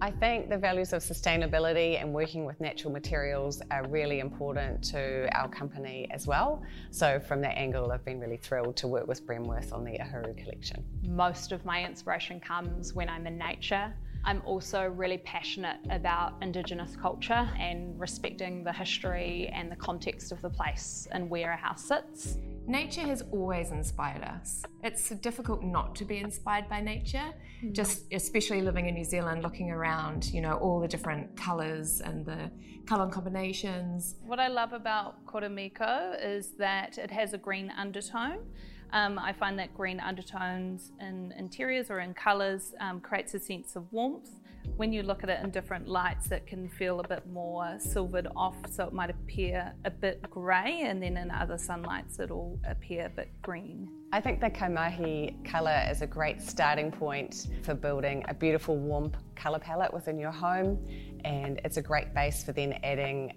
I think the values of sustainability and working with natural materials are really important to our company as well, so from that angle, I've been really thrilled to work with Bremworth on the Amaru Collection. Most of my inspiration comes when I'm in nature. I'm also really passionate about Indigenous culture and respecting the history and the context of the place and where a house sits. Nature has always inspired us. It's difficult not to be inspired by nature, just especially living in New Zealand, looking around, you know, all the different colors and the color combinations. What I love about Koromiko is that it has a green undertone. I find that green undertones in interiors or in colors create a sense of warmth. When you look at it in different lights, it can feel a bit more silvered off, so it might appear a bit grey, and then in other sunlights it'll appear a bit green. I think the Kaimai color is a great starting point for building a beautiful, warm color palette within your home, and it's a great base for then adding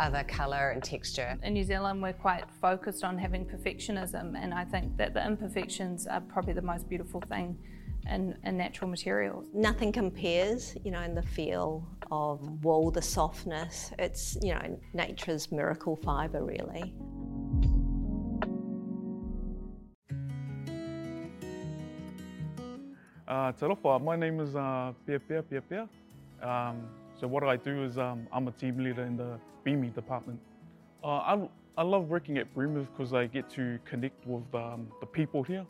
other color and texture. In New Zealand, we're quite focused on having perfectionism, and I think that the imperfections are probably the most beautiful thing in natural materials. Nothing compares, you know, in the feel of wool, the softness. It's, you know, nature's miracle fiber, really. Hello, my name is Pierre. What I do is I'm a team leader in the Beaming department. I love working at Bremworth because I get to connect with the people here.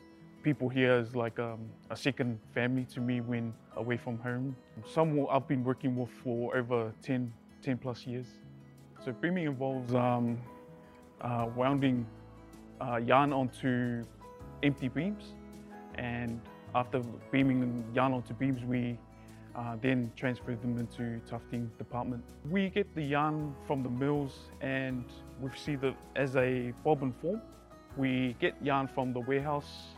People here are like a second family to me when away from home. Someone I've been working with for over 10-plus years. Bremworth involves winding yarn onto empty beams, and after beaming yarn onto beams, we then transfer them into the tufting department. We get the yarn from the mills, and we see that as a bobbin form. We get yarn from the warehouse.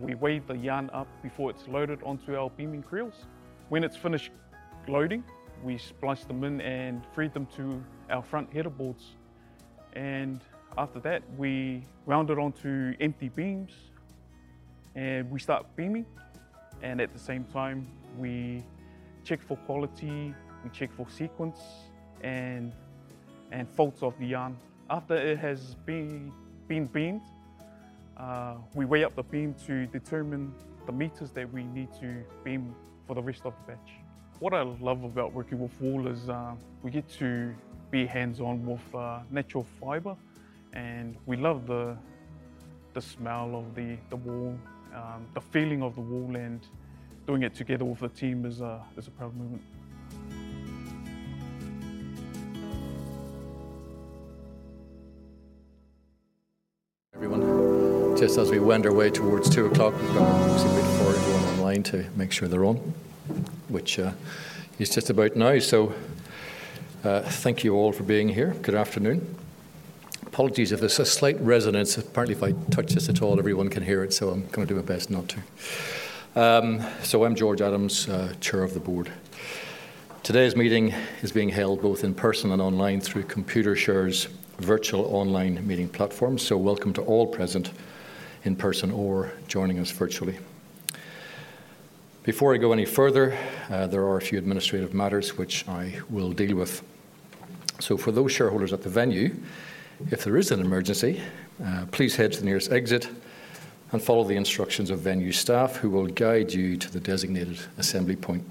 We weigh the yarn up before it's loaded onto our beaming creels. When it's finished loading, we splice them in and feed them to our front header boards. After that, we wind it onto empty beams, and we start beaming. And at the same time, we check for quality, we check for sequence and faults of the yarn. After it has been beamed, we weigh up the beam to determine the meters that we need to beam for the rest of the batch. What I love about working with wool is we get to be hands-on with natural fiber, and we love the smell of the wool, the feeling of the wool, and doing it together with the team is a proud moment. Everyone, just as we went our way towards two o'clock, we've got a little bit of a call going online to make sure they're on, which is just about now. So thank you all for being here. Good afternoon. Apologies if there's a slight resonance. Apparently, if I touch this at all, everyone can hear it, so I'm going to do my best not to. So I'm George Adams, Chair of the Board. Today's meeting is being held both in person and online through Computershare's virtual online meeting platform. So welcome to all present in person or joining us virtually. Before I go any further, there are a few administrative matters which I will deal with. So for those shareholders at the venue, if there is an emergency, please head to the nearest exit and follow the instructions of venue staff who will guide you to the designated assembly point.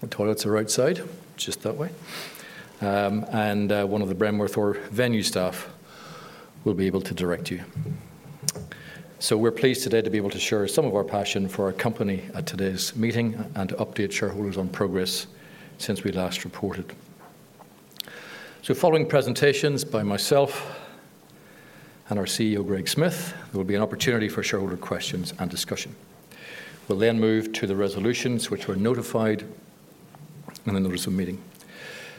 The toilets are outside, just that way, and one of the Bremworth or venue staff will be able to direct you. So we're pleased today to be able to share some of our passion for our company at today's meeting and update shareholders on progress since we last reported. So following presentations by myself and our CEO, Greg Smith, there will be an opportunity for shareholder questions and discussion. We'll then move to the resolutions which were notified in the notice of meeting.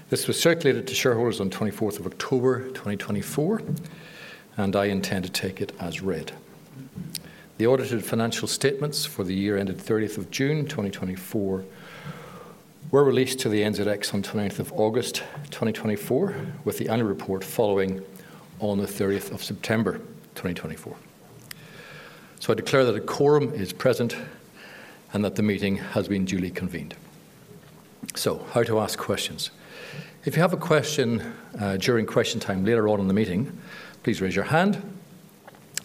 This was circulated to shareholders on 24th of October 2024, and I intend to take it as read. The audited financial statements for the year ended 30th of June 2024 were released to the NZX on 29th of August 2024, with the annual report following on the 30th of September 2024. I declare that a quorum is present and that the meeting has been duly convened. How to ask questions? If you have a question during question time later on in the meeting, please raise your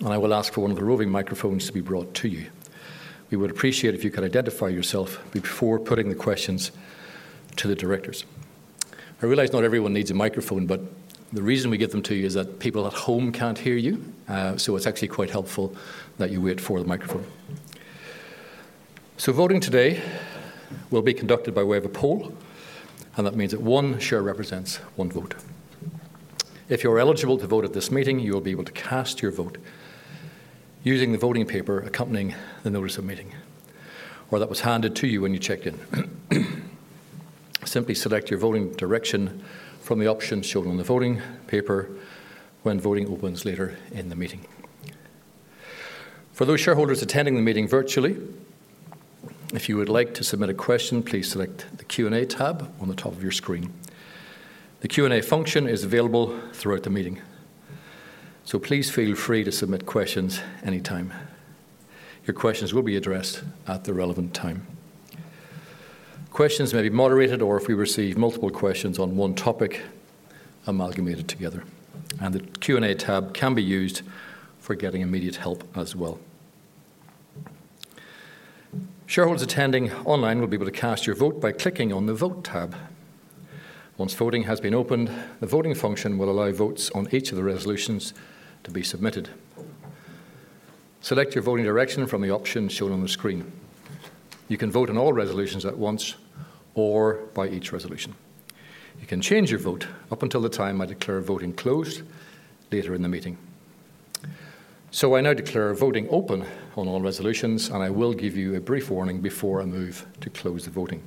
hand, and I will ask for one of the roving microphones to be brought to you. We would appreciate it if you could identify yourself before putting the questions to the directors. I realize not everyone needs a microphone, but the reason we give them to you is that people at home can't hear you, so it's actually quite helpful that you wait for the microphone. So voting today will be conducted by way of a poll, and that means that one share represents one vote. If you're eligible to vote at this meeting, you will be able to cast your vote using the voting paper accompanying the notice of meeting or that was handed to you when you checked in. Simply select your voting direction from the options shown on the voting paper when voting opens later in the meeting. For those shareholders attending the meeting virtually, if you would like to submit a question, please select the Q&A tab on the top of your screen. The Q&A function is available throughout the meeting, so please feel free to submit questions anytime. Your questions will be addressed at the relevant time. Questions may be moderated or, if we receive multiple questions on one topic, amalgamated together. And the Q&A tab can be used for getting immediate help as well. Shareholders attending online will be able to cast your vote by clicking on the Vote tab. Once voting has been opened, the voting function will allow votes on each of the resolutions to be submitted. Select your voting direction from the options shown on the screen. You can vote on all resolutions at once or by each resolution. You can change your vote up until the time I declare voting closed later in the meeting. So I now declare voting open on all resolutions, and I will give you a brief warning before I move to close the voting.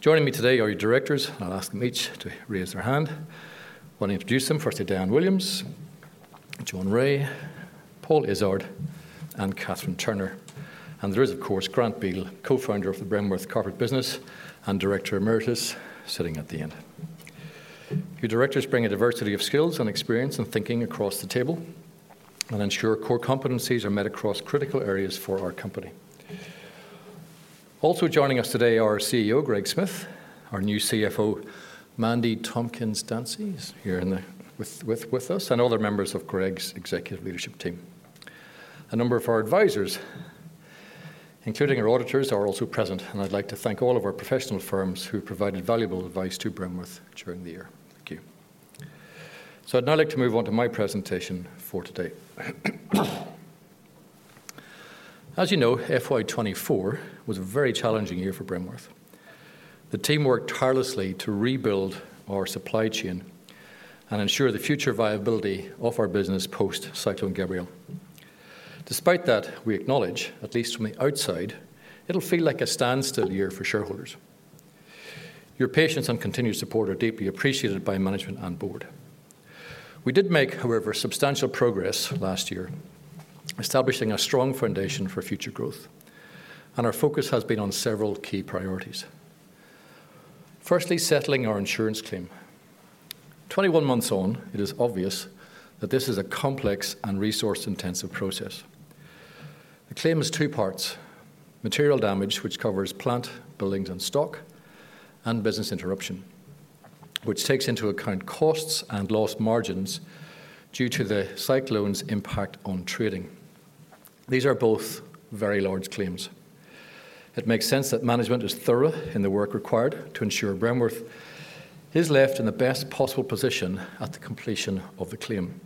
Joining me today are your directors. I'll ask them each to raise their hand. I want to introduce them firstly: Dianne Williams, John Rae, Paul Izzard, and Katherine Turner. There is, of course, Grant Biel, co-founder of Bremworth and Director Emeritus sitting at the end. Your directors bring a diversity of skills and experience and thinking across the table and ensure core competencies are met across critical areas for our company. Also joining us today are our CEO, Greg Smith, our new CFO, Mandy Tompkins is here with us, and other members of Greg's executive leadership team. A number of our advisors, including our auditors, are also present, and I'd like to thank all of our professional firms who provided valuable advice to Bremworth during the year. Thank you. I'd now like to move on to my presentation for today. As you know, FY24 was a very challenging year for Bremworth. The team worked tirelessly to rebuild our supply chain and ensure the future viability of our business post Cyclone Gabrielle. Despite that, we acknowledge, at least from the outside, it'll feel like a standstill year for shareholders. Your patience and continued support are deeply appreciated by management and board. We did make, however, substantial progress last year, establishing a strong foundation for future growth, and our focus has been on several key priorities. Firstly, settling our insurance claim. 21 months on, it is obvious that this is a complex and resource-intensive process. The claim has two parts: material damage, which covers plant, buildings, and stock, and business interruption, which takes into account costs and lost margins due to the cyclone's impact on trading. These are both very large claims. It makes sense that management is thorough in the work required to ensure Bremworth is left in the best possible position at the completion of the claim.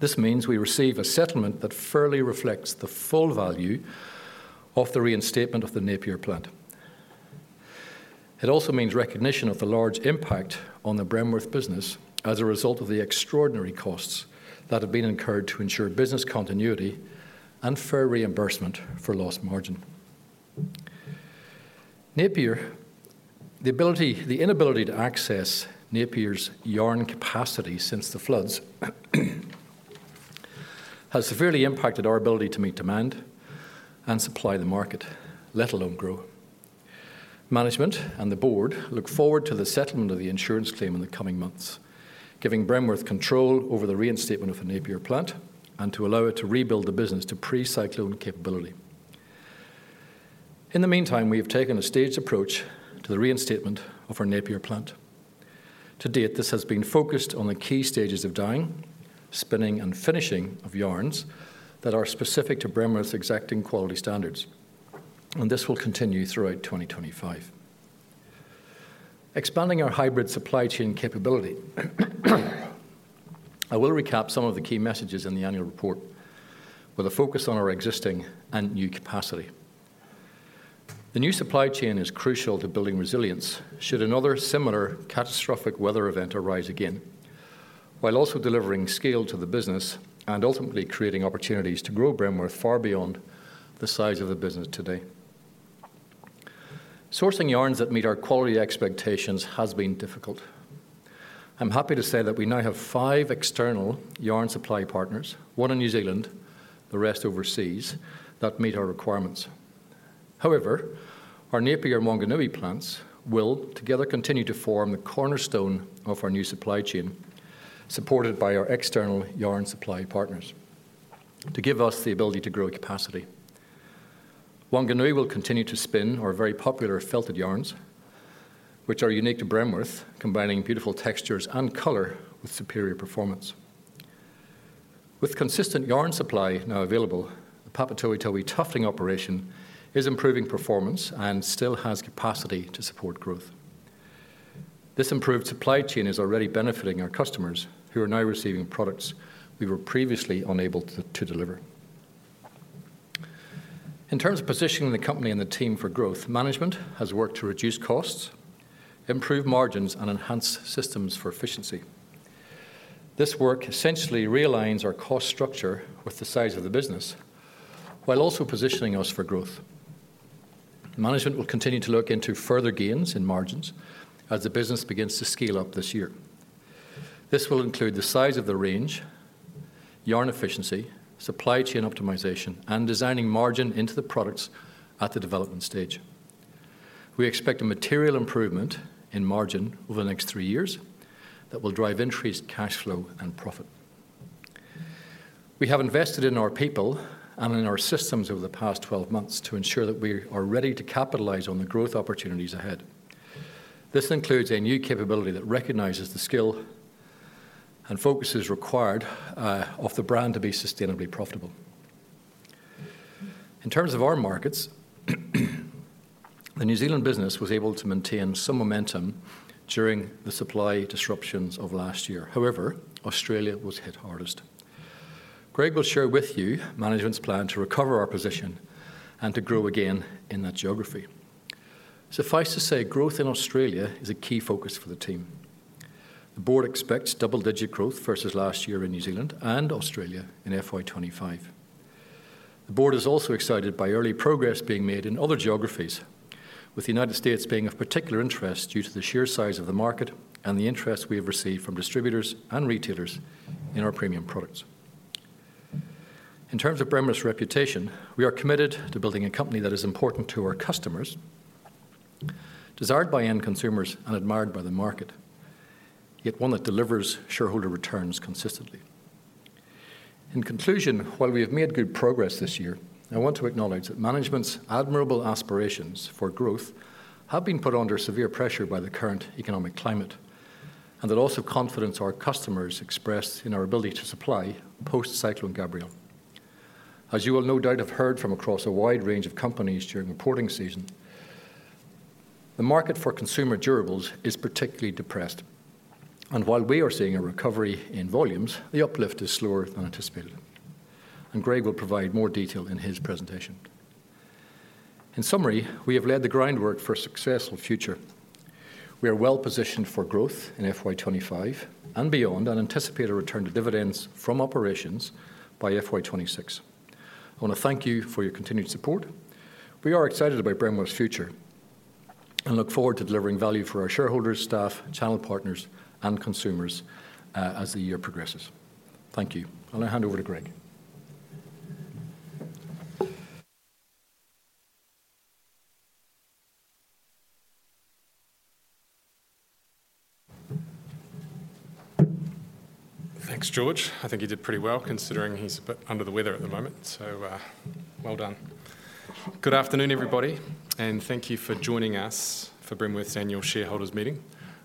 This means we receive a settlement that fairly reflects the full value of the reinstatement of the Napier plant. It also means recognition of the large impact on the Bremworth business as a result of the extraordinary costs that have been incurred to ensure business continuity and fair reimbursement for lost margin. Napier, the inability to access Napier's yarn capacity since the floods has severely impacted our ability to meet demand and supply the market, let alone grow. Management and the board look forward to the settlement of the insurance claim in the coming months, giving Bremworth control over the reinstatement of the Napier plant and to allow it to rebuild the business to pre-cyclone capability. In the meantime, we have taken a staged approach to the reinstatement of our Napier plant. To date, this has been focused on the key stages of dyeing, spinning, and finishing of yarns that are specific to Bremworth's exacting quality standards, and this will continue throughout 2025. Expanding our hybrid supply chain capability, I will recap some of the key messages in the annual report with a focus on our existing and new capacity. The new supply chain is crucial to building resilience should another similar catastrophic weather event arise again, while also delivering scale to the business and ultimately creating opportunities to grow Bremworth far beyond the size of the business today. Sourcing yarns that meet our quality expectations has been difficult. I'm happy to say that we now have five external yarn supply partners, one in New Zealand, the rest overseas, that meet our requirements. However, our Napier Whanganui plants will together continue to form the cornerstone of our new supply chain, supported by our external yarn supply partners, to give us the ability to grow capacity. Whanganui will continue to spin our very popular felted yarns, which are unique to Bremworth, combining beautiful textures and color with superior performance. With consistent yarn supply now available, the Papatoetoe tufting operation is improving performance and still has capacity to support growth. This improved supply chain is already benefiting our customers who are now receiving products we were previously unable to deliver. In terms of positioning the company and the team for growth, management has worked to reduce costs, improve margins, and enhance systems for efficiency. This work essentially realigns our cost structure with the size of the business while also positioning us for growth. Management will continue to look into further gains in margins as the business begins to scale up this year. This will include the size of the range, yarn efficiency, supply chain optimization, and designing margin into the products at the development stage. We expect a material improvement in margin over the next three years that will drive increased cash flow and profit. We have invested in our people and in our systems over the past 12 months to ensure that we are ready to capitalize on the growth opportunities ahead. This includes a new capability that recognizes the skill and focuses required of the brand to be sustainably profitable. In terms of our markets, the New Zealand business was able to maintain some momentum during the supply disruptions of last year. However, Australia was hit hardest. Greg will share with you management's plan to recover our position and to grow again in that geography. Suffice to say, growth in Australia is a key focus for the team. The board expects double-digit growth versus last year in New Zealand and Australia in FY 25. The board is also excited by early progress being made in other geographies, with the United States being of particular interest due to the sheer size of the market and the interest we have received from distributors and retailers in our premium products. In terms of Bremworth's reputation, we are committed to building a company that is important to our customers, desired by end consumers, and admired by the market, yet one that delivers shareholder returns consistently. In conclusion, while we have made good progress this year, I want to acknowledge that management's admirable aspirations for growth have been put under severe pressure by the current economic climate and the loss of confidence our customers expressed in our ability to supply post Cyclone Gabrielle. As you will no doubt have heard from across a wide range of companies during reporting season, the market for consumer durables is particularly depressed, and while we are seeing a recovery in volumes, the uplift is slower than anticipated, and Greg will provide more detail in his presentation. In summary, we have laid the groundwork for a successful future. We are well positioned for growth in FY 25 and beyond and anticipate a return to dividends from operations by FY 26. I want to thank you for your continued support. We are excited about Bremworth's future and look forward to delivering value for our shareholders, staff, channel partners, and consumers as the year progresses. Thank you. I'll now hand over to Greg. Thanks, George. I think he did pretty well considering he's a bit under the weather at the moment, so well done. Good afternoon, everybody, and thank you for joining us for Bremworth's annual shareholders meeting.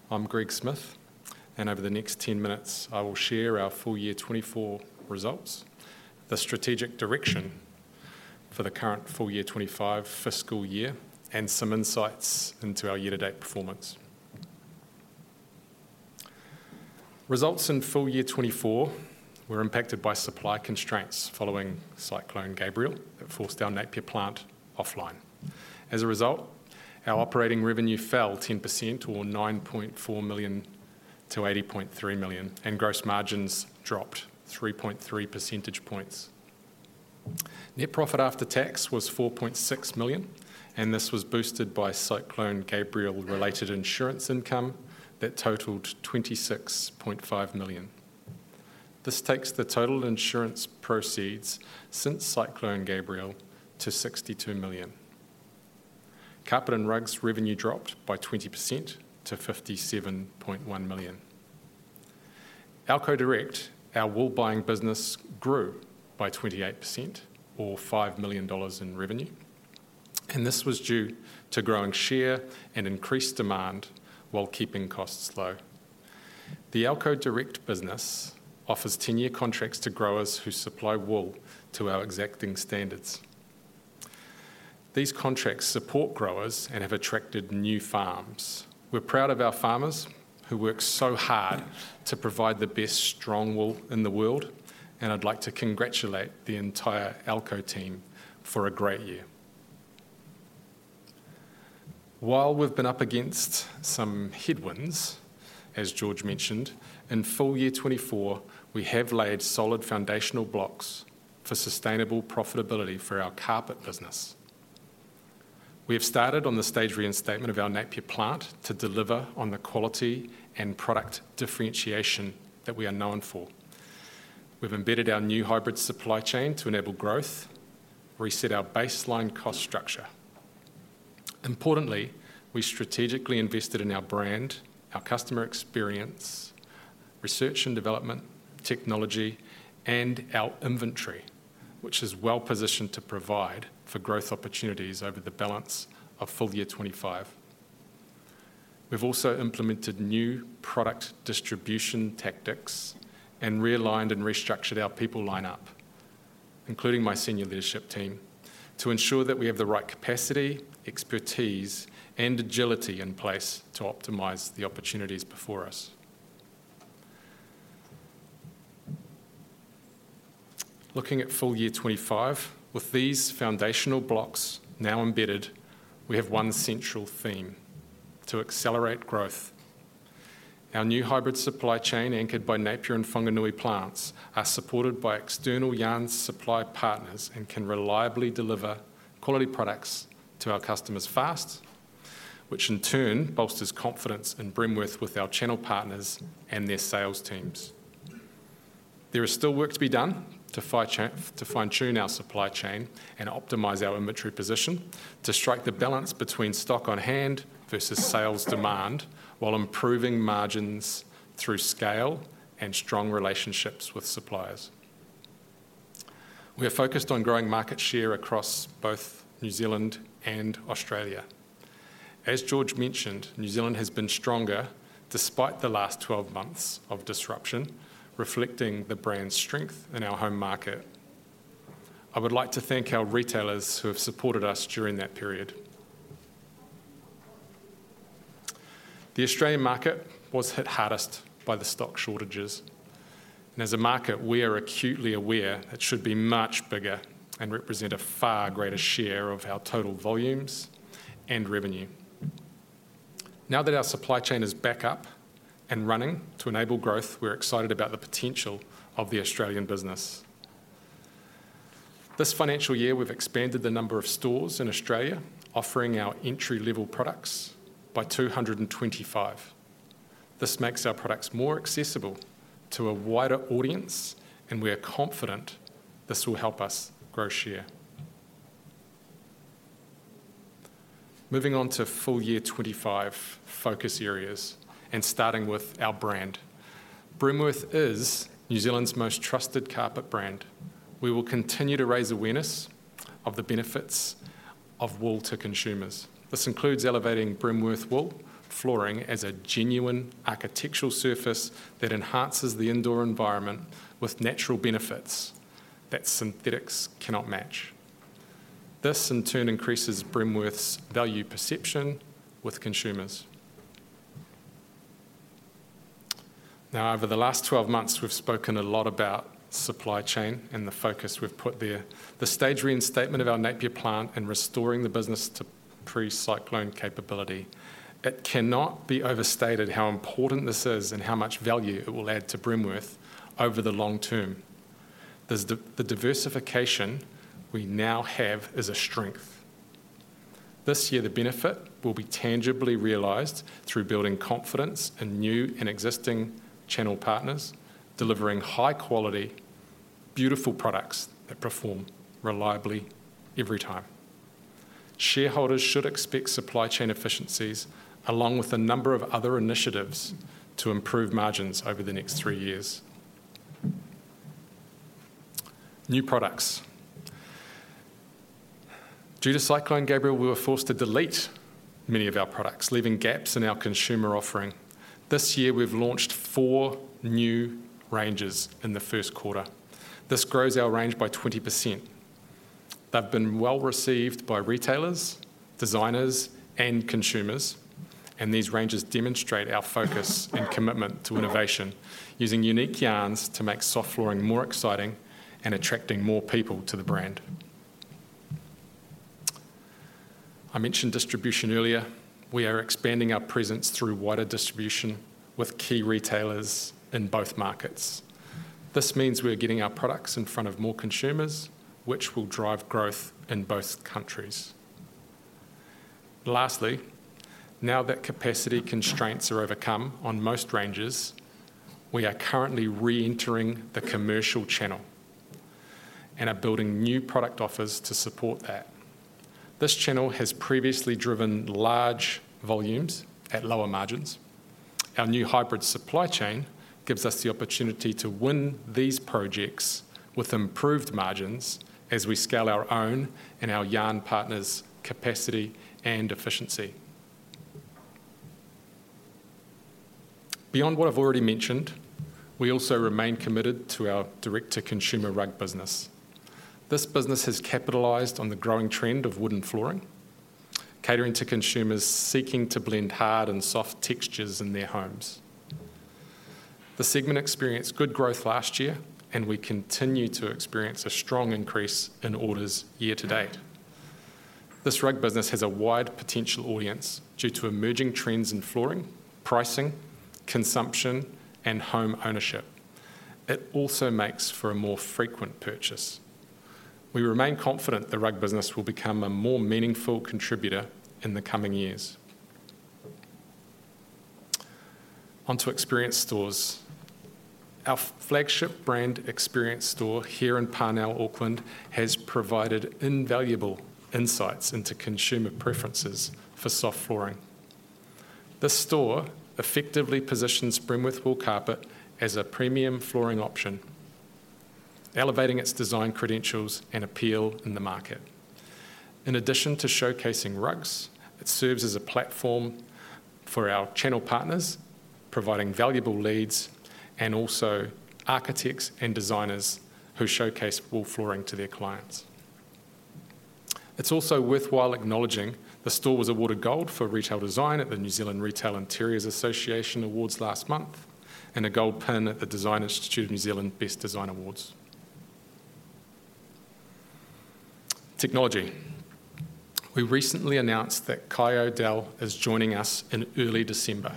I'm Greg Smith, and over the next 10 minutes, I will share our full year 2024 results, the strategic direction for the current full year 2025 fiscal year, and some insights into our year-to-date performance. Results in full year 2024 were impacted by supply constraints following Cyclone Gabrielle that forced our Napier plant offline. As a result, our operating revenue fell 10%, or 9.4 million to 80.3 million, and gross margins dropped 3.3 percentage points. Net profit after tax was 4.6 million, and this was boosted by Cyclone Gabrielle-related insurance income that totaled 26.5 million. This takes the total insurance proceeds since Cyclone Gabrielle to 62 million. Carpet and rugs revenue dropped by 20% to 57.1 million. Elco Direct, our wool buying business, grew by 28%, or 5 million dollars in revenue, and this was due to growing share and increased demand while keeping costs low. The Elco Direct business offers 10-year contracts to growers who supply wool to our exacting standards. These contracts support growers and have attracted new farms. We're proud of our farmers who work so hard to provide the best strong wool in the world, and I'd like to congratulate the entire Elco team for a great year. While we've been up against some headwinds, as George mentioned, in full year 2024, we have laid solid foundational blocks for sustainable profitability for our carpet business. We have started on the staged reinstatement of our Napier plant to deliver on the quality and product differentiation that we are known for. We've embedded our new hybrid supply chain to enable growth, reset our baseline cost structure. Importantly, we strategically invested in our brand, our customer experience, research and development, technology, and our inventory, which is well positioned to provide for growth opportunities over the balance of full year 2025. We've also implemented new product distribution tactics and realigned and restructured our people lineup, including my senior leadership team, to ensure that we have the right capacity, expertise, and agility in place to optimize the opportunities before us. Looking at full year 2025, with these foundational blocks now embedded, we have one central theme: to accelerate growth. Our new hybrid supply chain anchored by Napier and Whanganui plants is supported by external yarn supply partners and can reliably deliver quality products to our customers fast, which in turn bolsters confidence in Bremworth with our channel partners and their sales teams. There is still work to be done to fine-tune our supply chain and optimize our inventory position to strike the balance between stock on hand versus sales demand while improving margins through scale and strong relationships with suppliers. We are focused on growing market share across both New Zealand and Australia. As George mentioned, New Zealand has been stronger despite the last 12 months of disruption, reflecting the brand's strength in our home market. I would like to thank our retailers who have supported us during that period. The Australian market was hit hardest by the stock shortages, and as a market, we are acutely aware it should be much bigger and represent a far greater share of our total volumes and revenue. Now that our supply chain is back up and running to enable growth, we're excited about the potential of the Australian business. This financial year, we've expanded the number of stores in Australia, offering our entry-level products by 225. This makes our products more accessible to a wider audience, and we are confident this will help us grow share. Moving on to full year 2025 focus areas and starting with our brand. Bremworth is New Zealand's most trusted carpet brand. We will continue to raise awareness of the benefits of wool to consumers. This includes elevating Bremworth wool flooring as a genuine architectural surface that enhances the indoor environment with natural benefits that synthetics cannot match. This, in turn, increases Bremworth's value perception with consumers. Now, over the last 12 months, we've spoken a lot about supply chain and the focus we've put there, the staged reinstatement of our Napier plant and restoring the business to pre-cyclone capability. It cannot be overstated how important this is and how much value it will add to Bremworth over the long term. The diversification we now have is a strength. This year, the benefit will be tangibly realized through building confidence in new and existing channel partners, delivering high-quality, beautiful products that perform reliably every time. Shareholders should expect supply chain efficiencies, along with a number of other initiatives to improve margins over the next three years. New products. Due to Cyclone Gabrielle, we were forced to delete many of our products, leaving gaps in our consumer offering. This year, we've launched four new ranges in the first quarter. This grows our range by 20%. They've been well received by retailers, designers, and consumers, and these ranges demonstrate our focus and commitment to innovation, using unique yarns to make soft flooring more exciting and attracting more people to the brand. I mentioned distribution earlier. We are expanding our presence through wider distribution with key retailers in both markets. This means we are getting our products in front of more consumers, which will drive growth in both countries. Lastly, now that capacity constraints are overcome on most ranges, we are currently re-entering the commercial channel and are building new product offers to support that. This channel has previously driven large volumes at lower margins. Our new hybrid supply chain gives us the opportunity to win these projects with improved margins as we scale our own and our yarn partners' capacity and efficiency. Beyond what I've already mentioned, we also remain committed to our direct-to-consumer rug business. This business has capitalized on the growing trend of wooden flooring, catering to consumers seeking to blend hard and soft textures in their homes. The segment experienced good growth last year, and we continue to experience a strong increase in orders year-to-date. This rug business has a wide potential audience due to emerging trends in flooring, pricing, consumption, and home ownership. It also makes for a more frequent purchase. We remain confident the rug business will become a more meaningful contributor in the coming years. On to experience stores. Our flagship brand experience store here in Parnell, Auckland, has provided invaluable insights into consumer preferences for soft flooring. This store effectively positions Bremworth wool carpet as a premium flooring option, elevating its design credentials and appeal in the market. In addition to showcasing rugs, it serves as a platform for our channel partners, providing valuable leads and also architects and designers who showcase wool flooring to their clients. It's also worthwhile acknowledging the store was awarded gold for retail design at the New Zealand Retail Interiors Association Awards last month and a gold pin at the Design Institute of New Zealand Best Design Awards. Technology. We recently announced that Cian O'Daly is joining us in early December.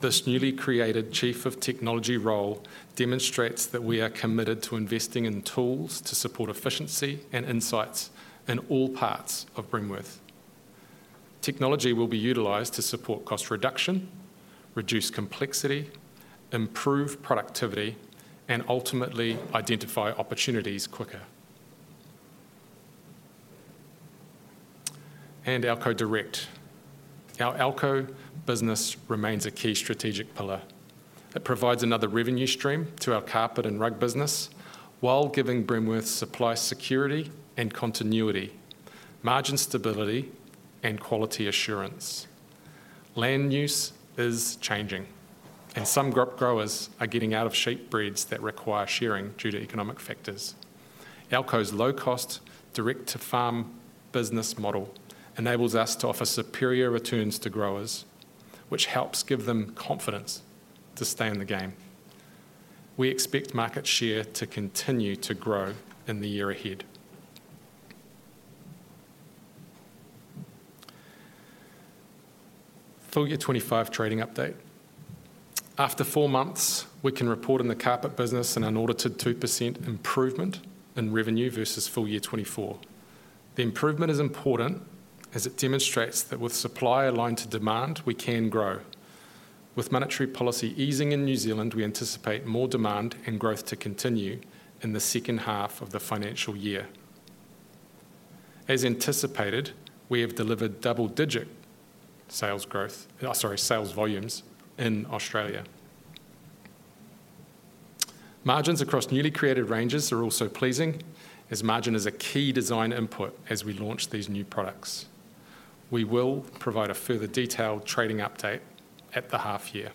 This newly created Chief of Technology role demonstrates that we are committed to investing in tools to support efficiency and insights in all parts of Bremworth. Technology will be utilized to support cost reduction, reduce complexity, improve productivity, and ultimately identify opportunities quicker, and Elco Direct. Our Elco business remains a key strategic pillar. It provides another revenue stream to our carpet and rug business while giving Bremworth supply security and continuity, margin stability, and quality assurance. Land use is changing, and some growers are getting out of sheep breeds that require shearing due to economic factors. Elco's low-cost direct-to-farm business model enables us to offer superior returns to growers, which helps give them confidence to stay in the game. We expect market share to continue to grow in the year ahead. Full year 2025 trading update. After four months, we can report on the carpet business and an audited 2% improvement in revenue versus full year 2024. The improvement is important as it demonstrates that with supply aligned to demand, we can grow. With monetary policy easing in New Zealand, we anticipate more demand and growth to continue in the second half of the financial year. As anticipated, we have delivered double-digit sales growth, sorry, sales volumes in Australia. Margins across newly created ranges are also pleasing as margin is a key design input as we launch these new products. We will provide a further detailed trading update at the half year.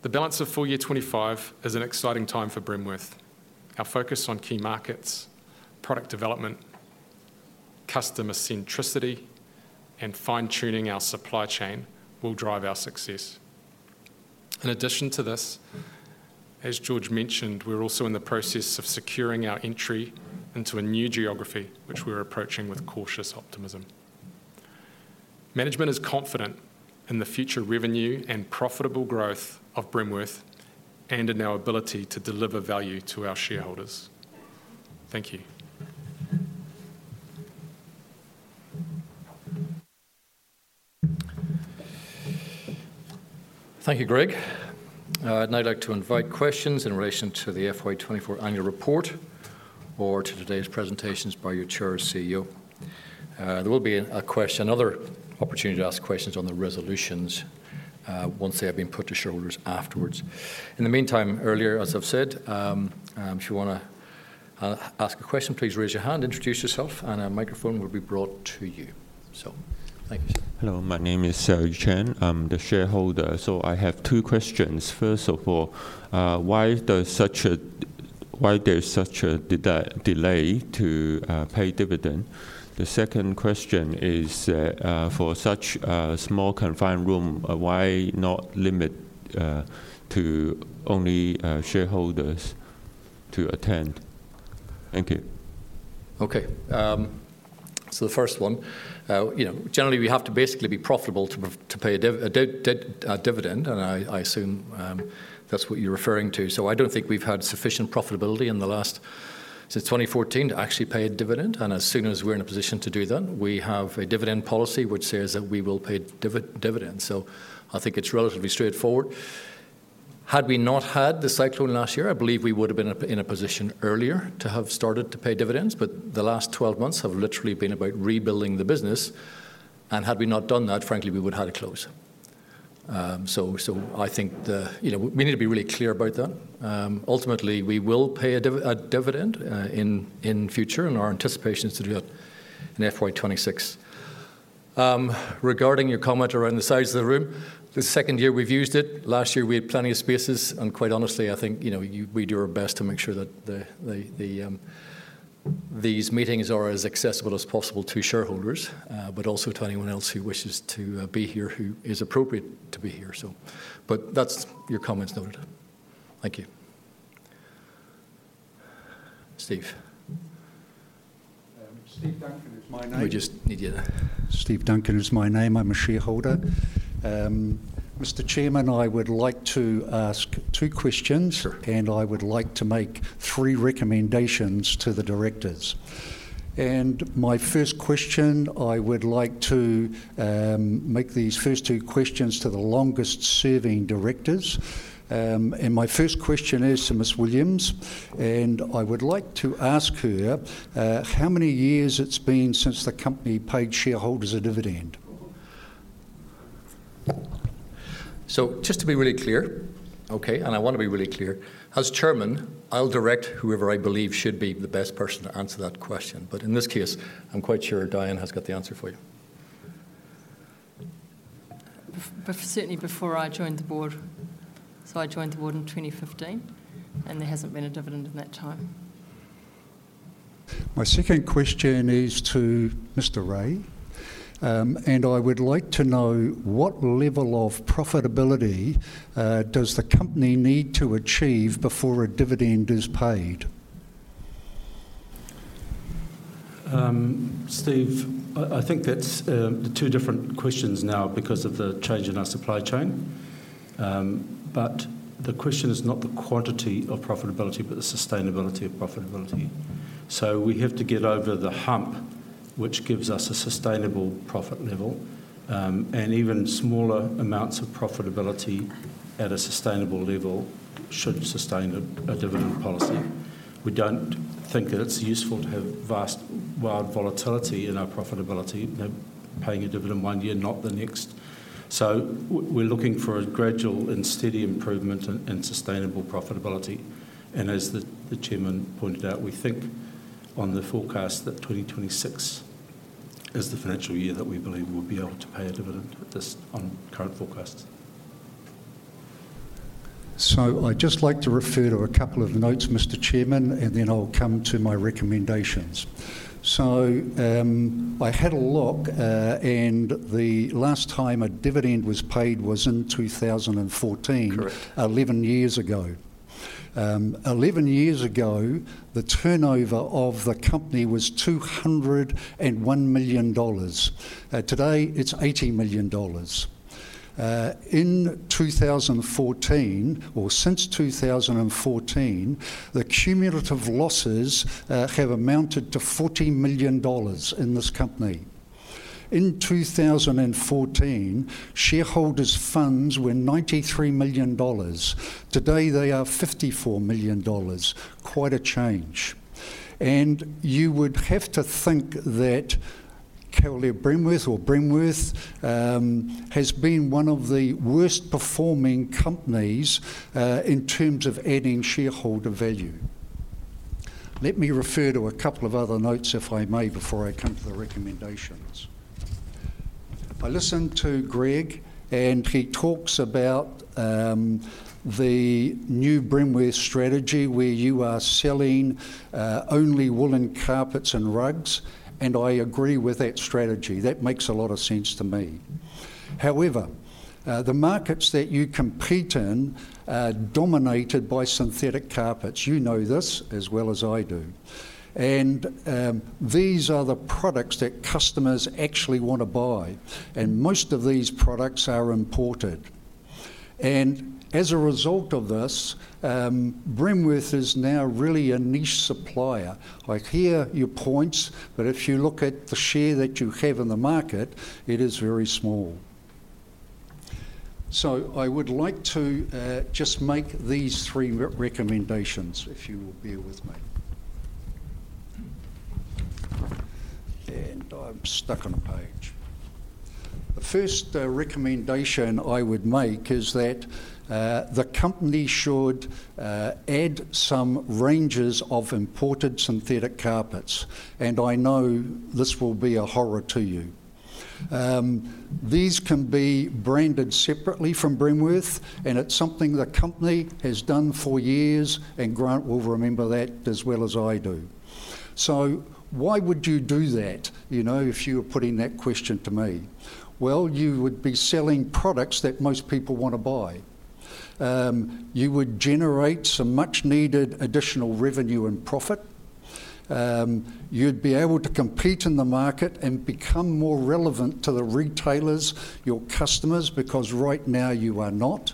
The balance of full year '25 is an exciting time for Bremworth. Our focus on key markets, product development, customer centricity, and fine-tuning our supply chain will drive our success. In addition to this, as George mentioned, we're also in the process of securing our entry into a new geography, which we're approaching with cautious optimism. Management is confident in the future revenue and profitable growth of Bremworth and in our ability to deliver value to our shareholders. Thank you. Thank you, Greg. I'd now like to invite questions in relation to the FY24 annual report or to today's presentations by your Chair and CEO. There will be another opportunity to ask questions on the resolutions once they have been put to shareholders afterwards. In the meantime, earlier, as I've said, if you want to ask a question, please raise your hand, introduce yourself, and a microphone will be brought to you. So thank you. Hello, my name is Yu Chen. I'm the shareholder, so I have two questions. First of all, why there's such a delay to pay dividend? The second question is that for such a small confined room, why not limit to only shareholders to attend? Thank you. Okay. So the first one, generally, we have to basically be profitable to pay a dividend, and I assume that's what you're referring to. So I don't think we've had sufficient profitability in the last, since 2014, to actually pay a dividend. And as soon as we're in a position to do that, we have a dividend policy which says that we will pay dividends. So I think it's relatively straightforward. Had we not had the cyclone last year, I believe we would have been in a position earlier to have started to pay dividends, but the last 12 months have literally been about rebuilding the business. And had we not done that, frankly, we would have had a close. So I think we need to be really clear about that. Ultimately, we will pay a dividend in future, and our anticipation is to do that in FY 26. Regarding your comment around the size of the room, the second year we've used it. Last year, we had plenty of spaces, and quite honestly, I think we do our best to make sure that these meetings are as accessible as possible to shareholders, but also to anyone else who wishes to be here, who is appropriate to be here. But that's your comments noted. Thank you. Steve. Steve Duncan, it's my name. We just need you. Steve Duncan, it's my name. I'm a shareholder. Mr. Chairman, I would like to ask two questions, and I would like to make three recommendations to the directors. I would like to make these first two questions to the longest-serving directors. My first question is to Ms. Williams, and I would like to ask her how many years it's been since the company paid shareholders a dividend. So just to be really clear, okay, and I want to be really clear. As chairman, I'll direct whoever I believe should be the best person to answer that question. But in this case, I'm quite sure Dianne has got the answer for you. Certainly before I joined the board. So I joined the board in 2015, and there hasn't been a dividend in that time. My second question is to Mr. Rae, and I would like to know what level of profitability does the company need to achieve before a dividend is paid? Steve, I think that's the two different questions now because of the change in our supply chain, but the question is not the quantity of profitability, but the sustainability of profitability, so we have to get over the hump, which gives us a sustainable profit level, and even smaller amounts of profitability at a sustainable level should sustain a dividend policy. We don't think that it's useful to have vast, wild volatility in our profitability, paying a dividend one year, not the next, so we're looking for a gradual and steady improvement in sustainable profitability, and as the chairman pointed out, we think on the forecast that 2026 is the financial year that we believe we'll be able to pay a dividend on current forecasts. I'd just like to refer to a couple of notes, Mr. Chairman, and then I'll come to my recommendations. I had a look, and the last time a dividend was paid was in 2014, 11 years ago. 11 years ago, the turnover of the company was 201 million dollars. Today, it's 80 million dollars. In 2014, or since 2014, the cumulative losses have amounted to 40 million dollars in this company. In 2014, shareholders' funds were 93 million dollars. Today, they are 54 million dollars. Quite a change. You would have to think that Cavalier Bremworth or Bremworth has been one of the worst-performing companies in terms of adding shareholder value. Let me refer to a couple of other notes, if I may, before I come to the recommendations. I listened to Greg, and he talks about the new Bremworth strategy where you are selling only woolen carpets and rugs, and I agree with that strategy. That makes a lot of sense to me. However, the markets that you compete in are dominated by synthetic carpets. You know this as well as I do, and these are the products that customers actually want to buy, and most of these products are imported, and as a result of this, Bremworth is now really a niche supplier. I hear your points, but if you look at the share that you have in the market, it is very small, so I would like to just make these three recommendations, if you will bear with me, and I'm stuck on a page. The first recommendation I would make is that the company should add some ranges of imported synthetic carpets. And I know this will be a horror to you. These can be branded separately from Bremworth, and it's something the company has done for years, and Grant will remember that as well as I do. So why would you do that if you were putting that question to me? Well, you would be selling products that most people want to buy. You would generate some much-needed additional revenue and profit. You'd be able to compete in the market and become more relevant to the retailers, your customers, because right now you are not.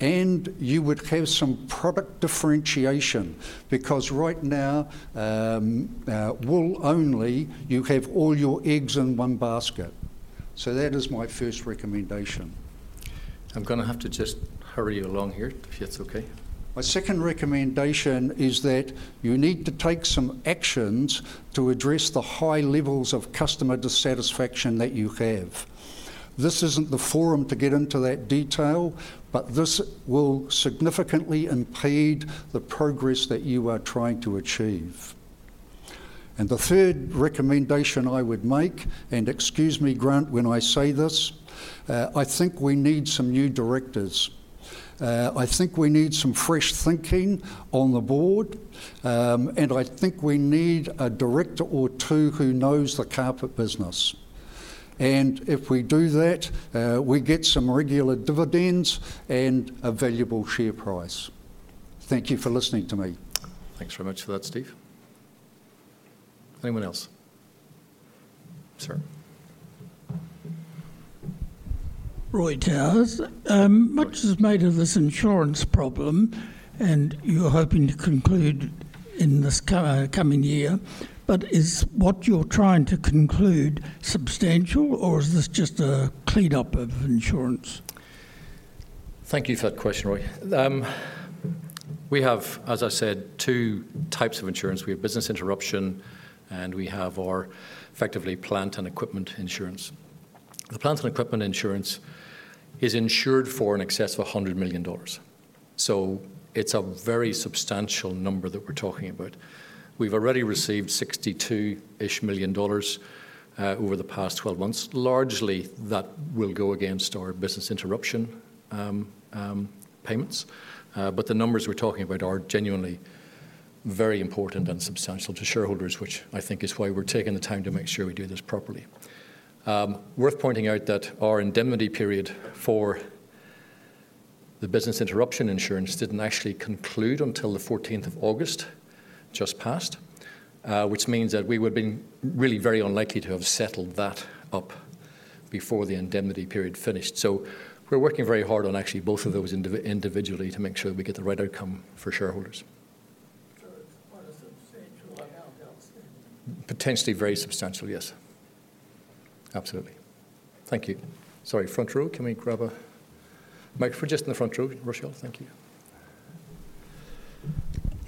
And you would have some product differentiation because right now, wool only, you have all your eggs in one basket. So that is my first recommendation. I'm going to have to just hurry you along here, if that's okay. My second recommendation is that you need to take some actions to address the high levels of customer dissatisfaction that you have. This isn't the forum to get into that detail, but this will significantly impede the progress that you are trying to achieve. And the third recommendation I would make, and excuse me, Grant, when I say this, I think we need some new directors. I think we need some fresh thinking on the board, and I think we need a director or two who knows the carpet business. And if we do that, we get some regular dividends and a valuable share price. Thank you for listening to me. Thanks very much for that, Steve. Anyone else? Sir. Roy Towers. Much is made of this insurance problem, and you're hoping to conclude in this coming year. But is what you're trying to conclude substantial, or is this just a cleanup of insurance? Thank you for that question, Roy. We have, as I said, two types of insurance. We have business interruption, and we have our effectively plant and equipment insurance. The plant and equipment insurance is insured for an excess of 100 million dollars. So it's a very substantial number that we're talking about. We've already received 62-ish million dollars over the past 12 months. Largely, that will go against our business interruption payments. But the numbers we're talking about are genuinely very important and substantial to shareholders, which I think is why we're taking the time to make sure we do this properly. Worth pointing out that our indemnity period for the business interruption insurance didn't actually conclude until the 14th of August, just passed, which means that we would have been really very unlikely to have settled that up before the indemnity period finished. So we're working very hard on actually both of those individually to make sure that we get the right outcome for shareholders. Potentially very substantial, yes. Absolutely. Thank you. Sorry, front row, can we grab a microphone just in the front row, Rochelle? Thank you.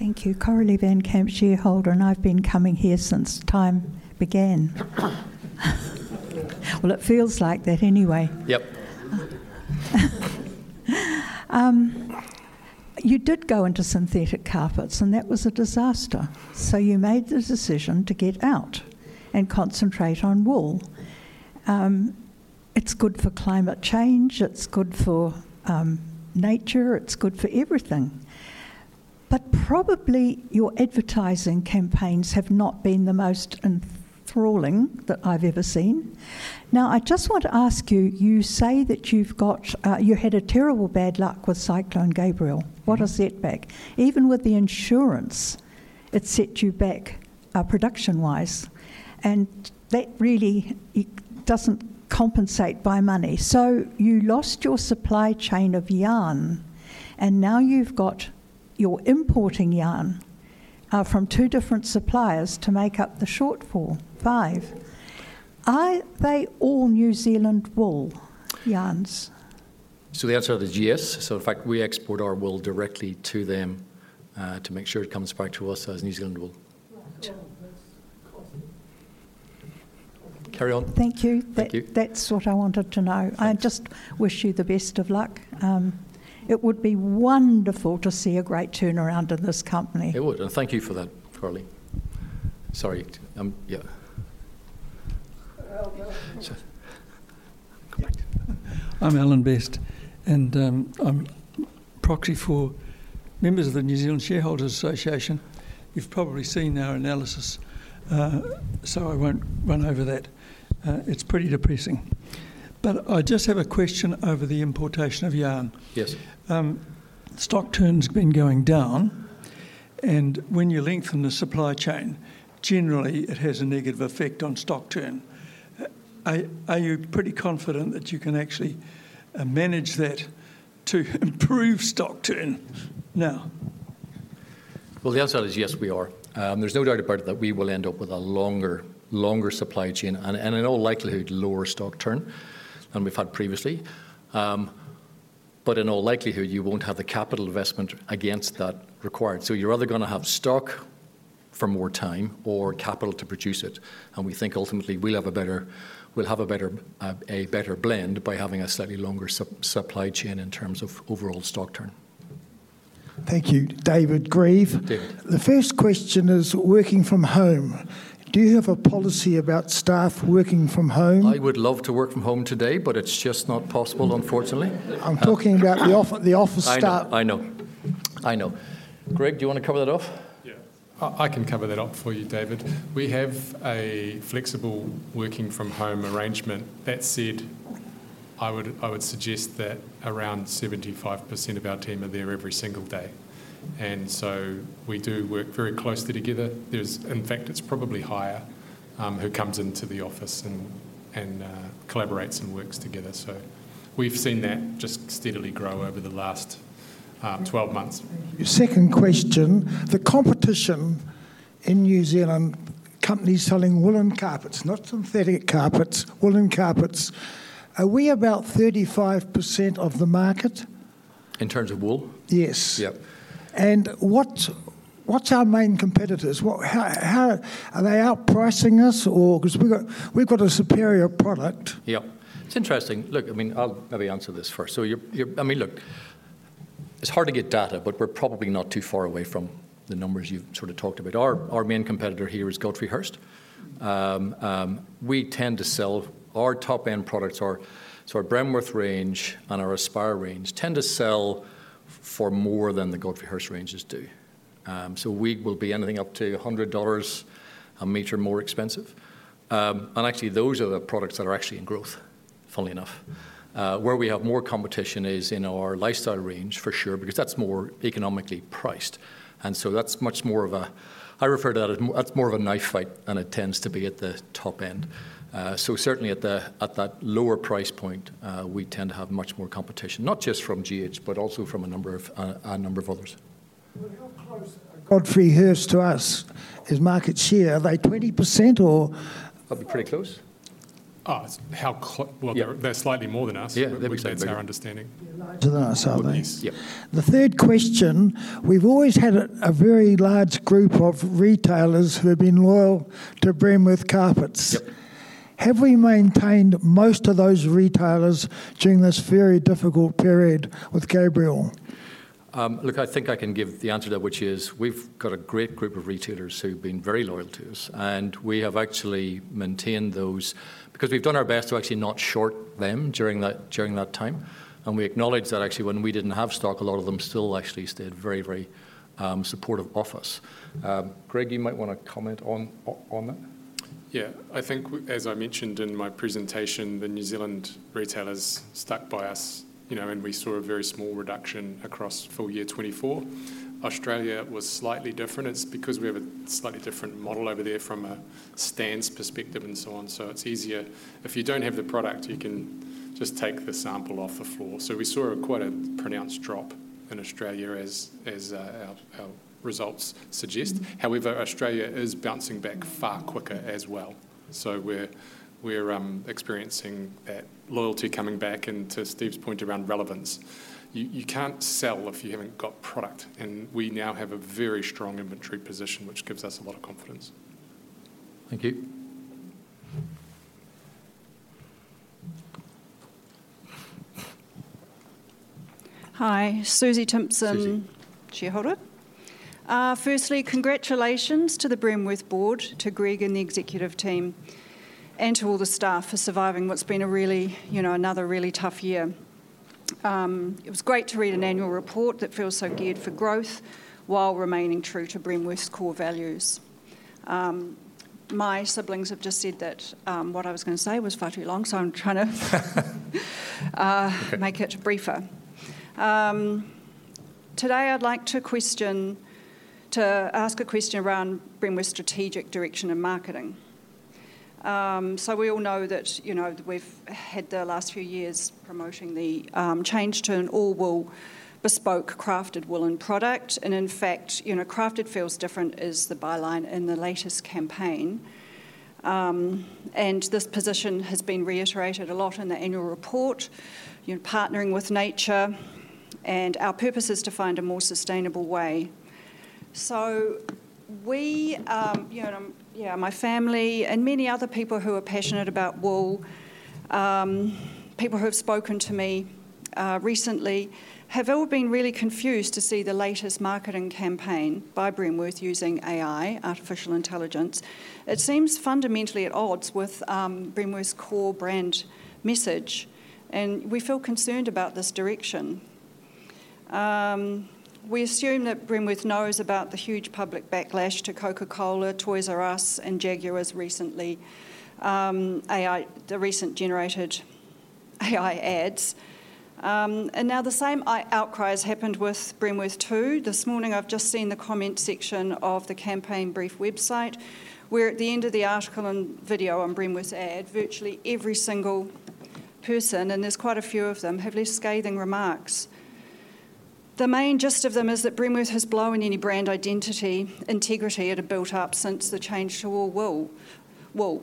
Thank you. Coralie Van Camp, shareholder. And I've been coming here since time began. Well, it feels like that anyway. Yep. You did go into synthetic carpets, and that was a disaster. So you made the decision to get out and concentrate on wool. It's good for climate change. It's good for nature. It's good for everything. But probably your advertising campaigns have not been the most enthralling that I've ever seen. Now, I just want to ask you. You say that you've had terribly bad luck with Cyclone Gabrielle. What has that set you back? Even with the insurance, it set you back production-wise, and that really isn't compensated by money. So you lost your supply chain of yarn, and now you're importing yarn from two different suppliers to make up the shortfall. Why? Are they all New Zealand wool yarns? So the answer is yes. So in fact, we export our wool directly to them to make sure it comes back to us as New Zealand wool. Carry on. Thank you. That's what I wanted to know. I just wish you the best of luck. It would be wonderful to see a great turnaround in this company. It would. Thank you for that, Coralie. Sorry. Yeah. I'm Alan Best. And I'm proxy for members of the New Zealand Shareholders Association. You've probably seen our analysis, so I won't run over that. It's pretty depressing. But I just have a question over the importation of yarn. Stock turn's been going down, and when you lengthen the supply chain, generally, it has a negative effect on stock turn. Are you pretty confident that you can actually manage that to improve stock turn now? The answer is yes, we are. There's no doubt about it that we will end up with a longer supply chain and, in all likelihood, lower stock turn than we've had previously. But in all likelihood, you won't have the capital investment against that required. So you're either going to have stock for more time or capital to produce it. And we think ultimately we'll have a better blend by having a slightly longer supply chain in terms of overall stock turn. Thank you. David Grieve. The first question is working from home. Do you have a policy about staff working from home? I would love to work from home today, but it's just not possible, unfortunately. I'm talking about the office staff. I know. I know. Greg, do you want to cover that off? Yeah. I can cover that off for you, David. We have a flexible working-from-home arrangement. That said, I would suggest that around 75% of our team are there every single day. And so we do work very closely together. In fact, it's probably higher who comes into the office and collaborates and works together. So we've seen that just steadily grow over the last 12 months. Second question. The competition in New Zealand, companies selling woolen carpets, not synthetic carpets, woolen carpets, are we about 35% of the market? In terms of wool? Yes. Yep. And what's our main competitors? Are they outpricing us? Because we've got a superior product. Yep. It's interesting. Look, I mean, I'll maybe answer this first. So I mean, look, it's hard to get data, but we're probably not too far away from the numbers you've sort of talked about. Our main competitor here is Godfrey Hirst. We tend to sell our top-end products. So our Bremworth range and our Aspire range tend to sell for more than the Godfrey Hirst ranges do. So we will be anything up to 100 dollars a meter more expensive. And actually, those are the products that are actually in growth, funnily enough. Where we have more competition is in our Lifestyle range, for sure, because that's more economically priced. And so that's much more of a. I refer to that as that's more of a knife fight, and it tends to be at the top end. So certainly, at that lower price point, we tend to have much more competition, not just from GH, but also from a number of others. How close are Godfrey Hirst to us? His market share, are they 20% or? They'll be pretty close. Oh, how close? Well, they're slightly more than us, but they're understanding. Yeah, larger than us, are they? Yep. The third question. We've always had a very large group of retailers who have been loyal to Bremworth Carpets. Have we maintained most of those retailers during this very difficult period with Gabrielle? Look, I think I can give the answer to that, which is we've got a great group of retailers who've been very loyal to us. We have actually maintained those because we've done our best to actually not short them during that time. We acknowledge that actually when we didn't have stock, a lot of them still actually stayed very, very supportive of us. Greg, you might want to comment on that. Yeah. I think, as I mentioned in my presentation, the New Zealand retailers stuck by us, and we saw a very small reduction across for year 2024. Australia was slightly different. It's because we have a slightly different model over there from a brand's perspective and so on. It's easier. If you don't have the product, you can just take the sample off the floor. We saw quite a pronounced drop in Australia, as our results suggest. However, Australia is bouncing back far quicker as well. We're experiencing that loyalty coming back. And to Steve's point around relevance, you can't sell if you haven't got product. And we now have a very strong inventory position, which gives us a lot of confidence. Thank you. Hi. Susie Thompson, shareholder. Firstly, congratulations to the Bremworth board, to Greg and the executive team, and to all the staff for surviving what's been another really tough year. It was great to read an annual report that feels so geared for growth while remaining true to Bremworth's core values. My siblings have just said that what I was going to say was far too long, so I'm trying to make it briefer. Today, I'd like to ask a question around Bremworth's strategic direction and marketing. So we all know that we've had the last few years promoting the change to an all-wool bespoke crafted woolen product. In fact, crafted feels different is the byline in the latest campaign. This position has been reiterated a lot in the annual report, partnering with nature, and our purpose is to find a more sustainable way. My family and many other people who are passionate about wool, people who have spoken to me recently, have all been really confused to see the latest marketing campaign by Bremworth using AI, artificial intelligence. It seems fundamentally at odds with Bremworth's core brand message. We feel concerned about this direction. We assume that Bremworth knows about the huge public backlash to Coca-Cola, Toys "R" Us, and Jaguar's recent generated AI ads. Now the same outcries happened with Bremworth too. This morning, I've just seen the comment section of the Campaign Brief website where at the end of the article and video on Bremworth's ad, virtually every single person, and there's quite a few of them, have left scathing remarks. The main gist of them is that Bremworth has blown any brand identity, integrity it had built up since the change to all wool.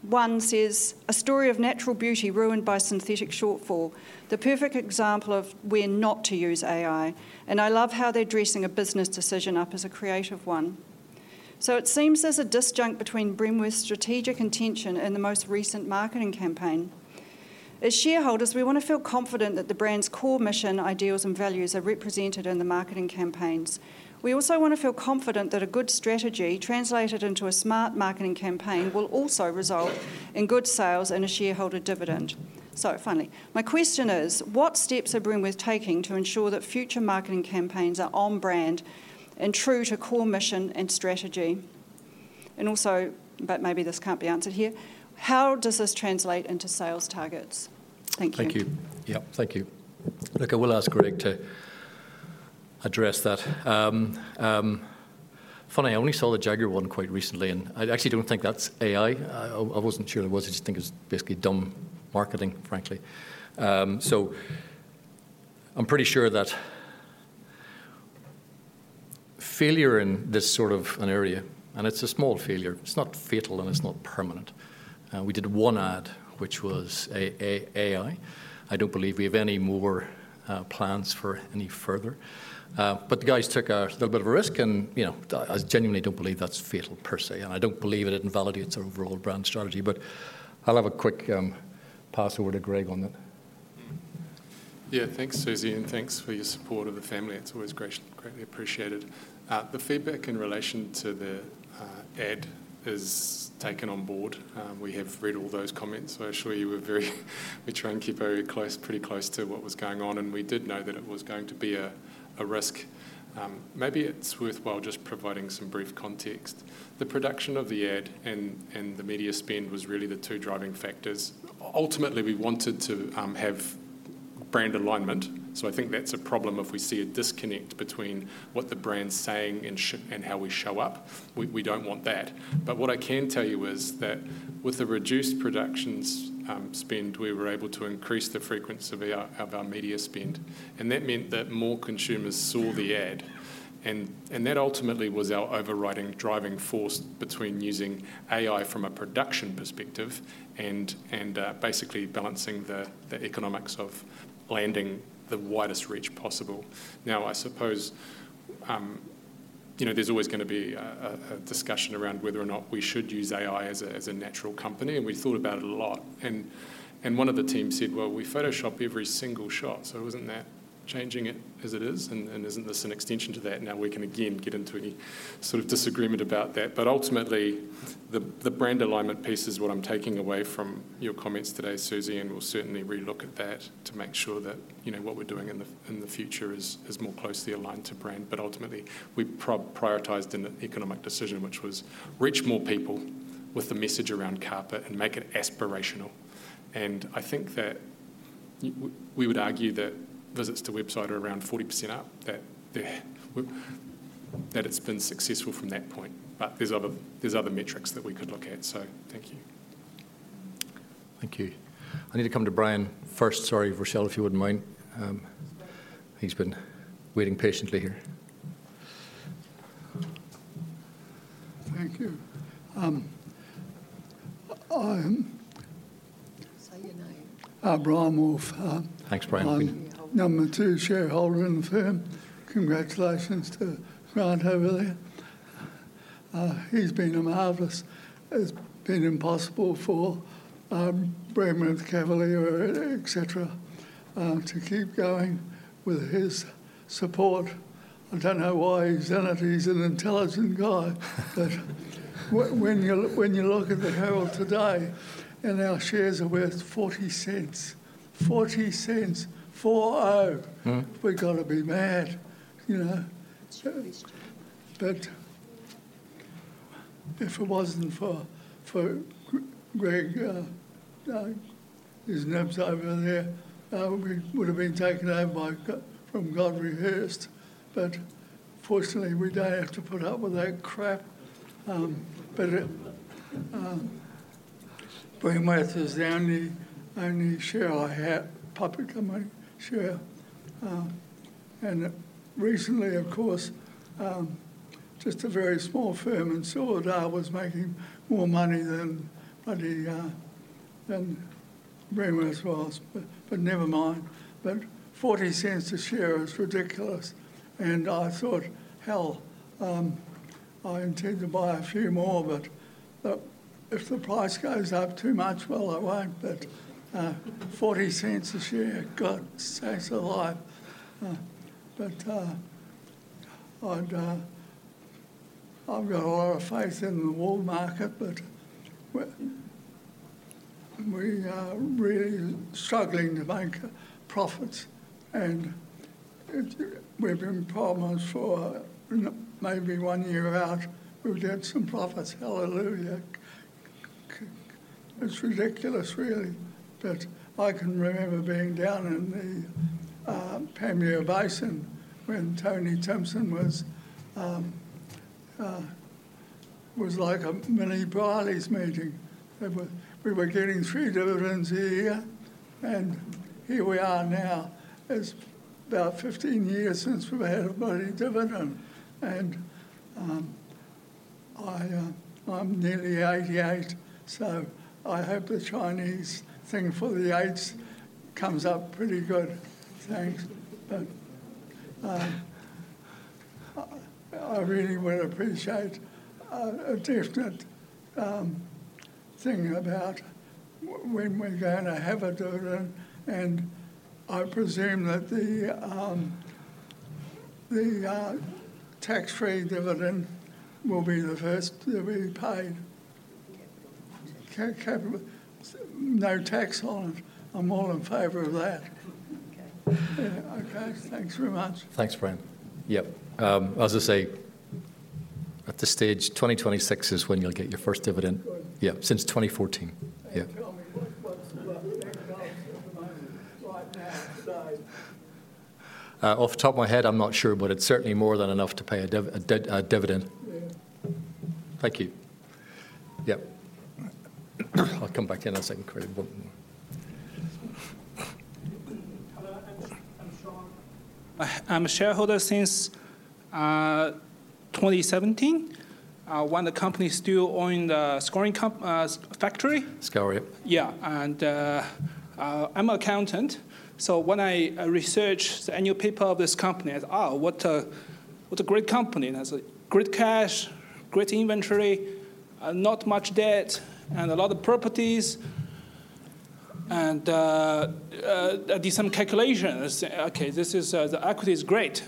One says, "A story of natural beauty ruined by synthetic shortfall, the perfect example of when not to use AI," and I love how they're dressing a business decision up as a creative one, so it seems there's a disjunct between Bremworth's strategic intention and the most recent marketing campaign. As shareholders, we want to feel confident that the brand's core mission, ideals, and values are represented in the marketing campaigns. We also want to feel confident that a good strategy translated into a smart marketing campaign will also result in good sales and a shareholder dividend. So finally, my question is, what steps are Bremworth taking to ensure that future marketing campaigns are on-brand and true to core mission and strategy? And also, but maybe this can't be answered here, how does this translate into sales targets? Thank you. Thank you. Yep. Thank you. Look, I will ask Greg to address that. Funnily, I only saw the Jaguar one quite recently, and I actually don't think that's AI. I wasn't sure it was. I just think it was basically dumb marketing, frankly. So I'm pretty sure that failure in this sort of an area, and it's a small failure. It's not fatal, and it's not permanent. We did one ad, which was AI. I don't believe we have any more plans for any further. But the guys took a little bit of a risk, and I genuinely don't believe that's fatal per se. And I don't believe it invalidates our overall brand strategy. But I'll have a quick pass over to Greg on that. Yeah. Thanks, Susie. And thanks for your support of the family. It's always greatly appreciated. The feedback in relation to the ad is taken on board. We have read all those comments. So I assure you we try and keep pretty close to what was going on. And we did know that it was going to be a risk. Maybe it's worthwhile just providing some brief context. The production of the ad and the media spend was really the two driving factors. Ultimately, we wanted to have brand alignment. So I think that's a problem if we see a disconnect between what the brand's saying and how we show up. We don't want that. But what I can tell you is that with the reduced production spend, we were able to increase the frequency of our media spend. And that meant that more consumers saw the ad. And that ultimately was our overriding driving force between using AI from a production perspective and basically balancing the economics of landing the widest reach possible. Now, I suppose there's always going to be a discussion around whether or not we should use AI as a natural company. And we thought about it a lot. And one of the teams said, "Well, we Photoshop every single shot." So wasn't that changing it as it is? And isn't this an extension to that? Now we can again get into any sort of disagreement about that. But ultimately, the brand alignment piece is what I'm taking away from your comments today, Susie, and we'll certainly relook at that to make sure that what we're doing in the future is more closely aligned to brand. But ultimately, we prioritized an economic decision, which was reach more people with the message around carpet and make it aspirational. And I think that we would argue that visits to website are around 40% up, that it's been successful from that point. But there's other metrics that we could look at. So thank you. Thank you. I need to come to Brian first. Sorry, Coralie, if you wouldn't mind. He's been waiting patiently here. Thank you. I'm Brian Wolfe. Thanks, Brian. Number two shareholder in the firm. Congratulations to Brian over there. He's been a marvelous. It's been impossible for Bremworth Cavalier, etc., to keep going with his support. I don't know why he's in it. He's an intelligent guy. But when you look at the share today, and our shares are worth 0.40, 0.40, 4-0, we've got to be mad. But if it wasn't for Greg, his team over there, we would have been taken over by Godfrey Hirst. But fortunately, we don't have to put up with that crap. But Bremworth is the only share I have, publicly share. And recently, of course, just a very small firm in Australia was making more money than Bremworth was. But never mind. But 0.40 a share is ridiculous. And I thought, "Hell, I intend to buy a few more, but if the price goes up too much, well, I won't." But 0.40 a share stays alive. But I've got a lot of faith in the wool market, but we are really struggling to make profits. And we've had problems for maybe one year now. We've got some profits. Hallelujah. It's ridiculous, really. But I can remember being down in the Panmure Basin when Tony Timpson was like a mini Bremworth's meeting. We were getting three dividends a year. And here we are now. It's about 15 years since we've had a money dividend. And I'm nearly 88. So I hope the Chinese thing for the 80s comes up pretty good. Thanks. But I really would appreciate a definite thing about when we're going to have a dividend. And I presume that the tax-free dividend will be the first to be paid. No tax on it. I'm all in favor of that. Okay. Thanks very much. Thanks, Brian. Yep. I was going to say, at this stage, 2026 is when you'll get your first dividend. Yeah. Since 2014. Yeah. Tell me what's next up right now. Slide. Off the top of my head, I'm not sure, but it's certainly more than enough to pay a dividend. Thank you. Yep. I'll come back in a second. I'm Sean. I'm a shareholder since 2017. One of the companies still owned a scouring factory. Scouring. Yeah. And I'm an accountant. So when I researched the annual report of this company, I thought, "Oh, what a great company." And I said, "Great cash, great inventory, not much debt, and a lot of properties." And I did some calculations. Okay, the equity is great.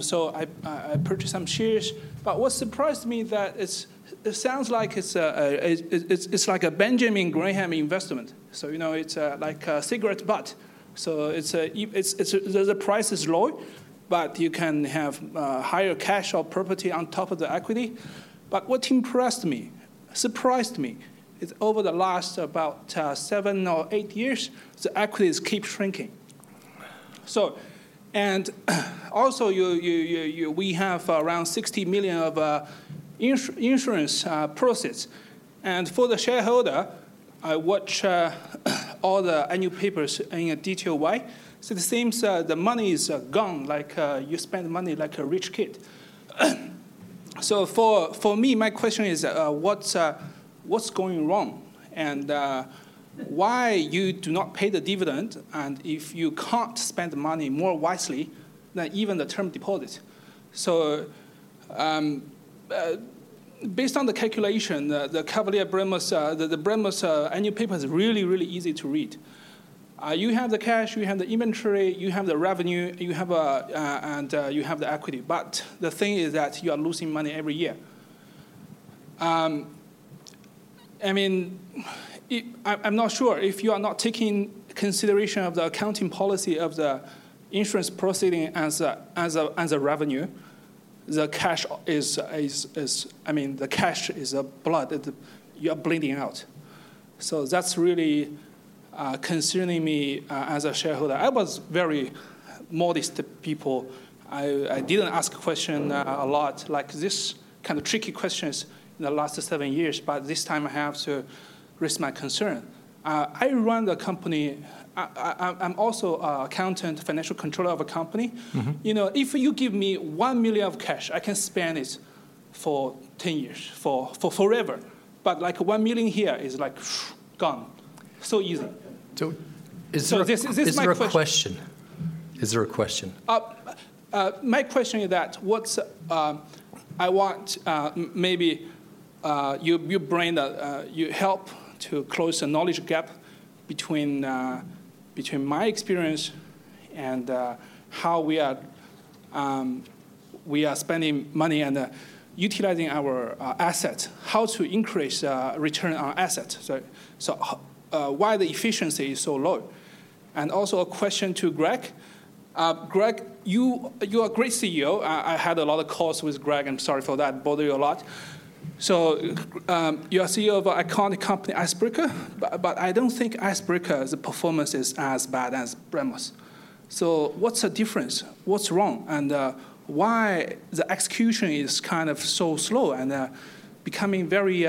So I purchased some shares. But what surprised me that it sounds like it's like a Benjamin Graham investment. So it's like a cigarette butt. So the price is low, but you can have higher cash or property on top of the equity. But what impressed me, surprised me, is over the last about seven or eight years, the equities keep shrinking. And also, we have around 60 million of insurance proceeds. And for the shareholder, I watch all the annual papers in a detailed way. So it seems the money is gone, like you spend money like a rich kid. So for me, my question is, what's going wrong? And why do you not pay the dividend? And if you can't spend money more wisely, then even the term deposit. So based on the calculation, the Bremworth annual paper is really, really easy to read. You have the cash, you have the inventory, you have the revenue, and you have the equity. But the thing is that you are losing money every year. I mean, I'm not sure if you are not taking consideration of the accounting policy of the insurance proceeds as a revenue. The cash is, I mean, the cash is blood. You are bleeding out. So that's really concerning me as a shareholder. I was very modest to people. I didn't ask questions a lot, like this kind of tricky questions in the last seven years. But this time, I have to raise my concern. I run the company. I'm also an accountant, financial controller of a company. If you give me 1 million of cash, I can spend it for 10 years, for forever. But like 1 million here is like gone. So easy. So this is my question. Is there a question? My question is that I want maybe you help to close the knowledge gap between my experience and how we are spending money and utilizing our assets, how to increase return on assets. So why the efficiency is so low? And also a question to Greg. Greg, you are a great CEO. I had a lot of calls with Greg. I'm sorry for that. Bother you a lot. So you are CEO of an iconic company, Icebreaker. But I don't think Icebreaker's performance is as bad as Bremworth's. So what's the difference? What's wrong? And why is the execution kind of so slow and becoming very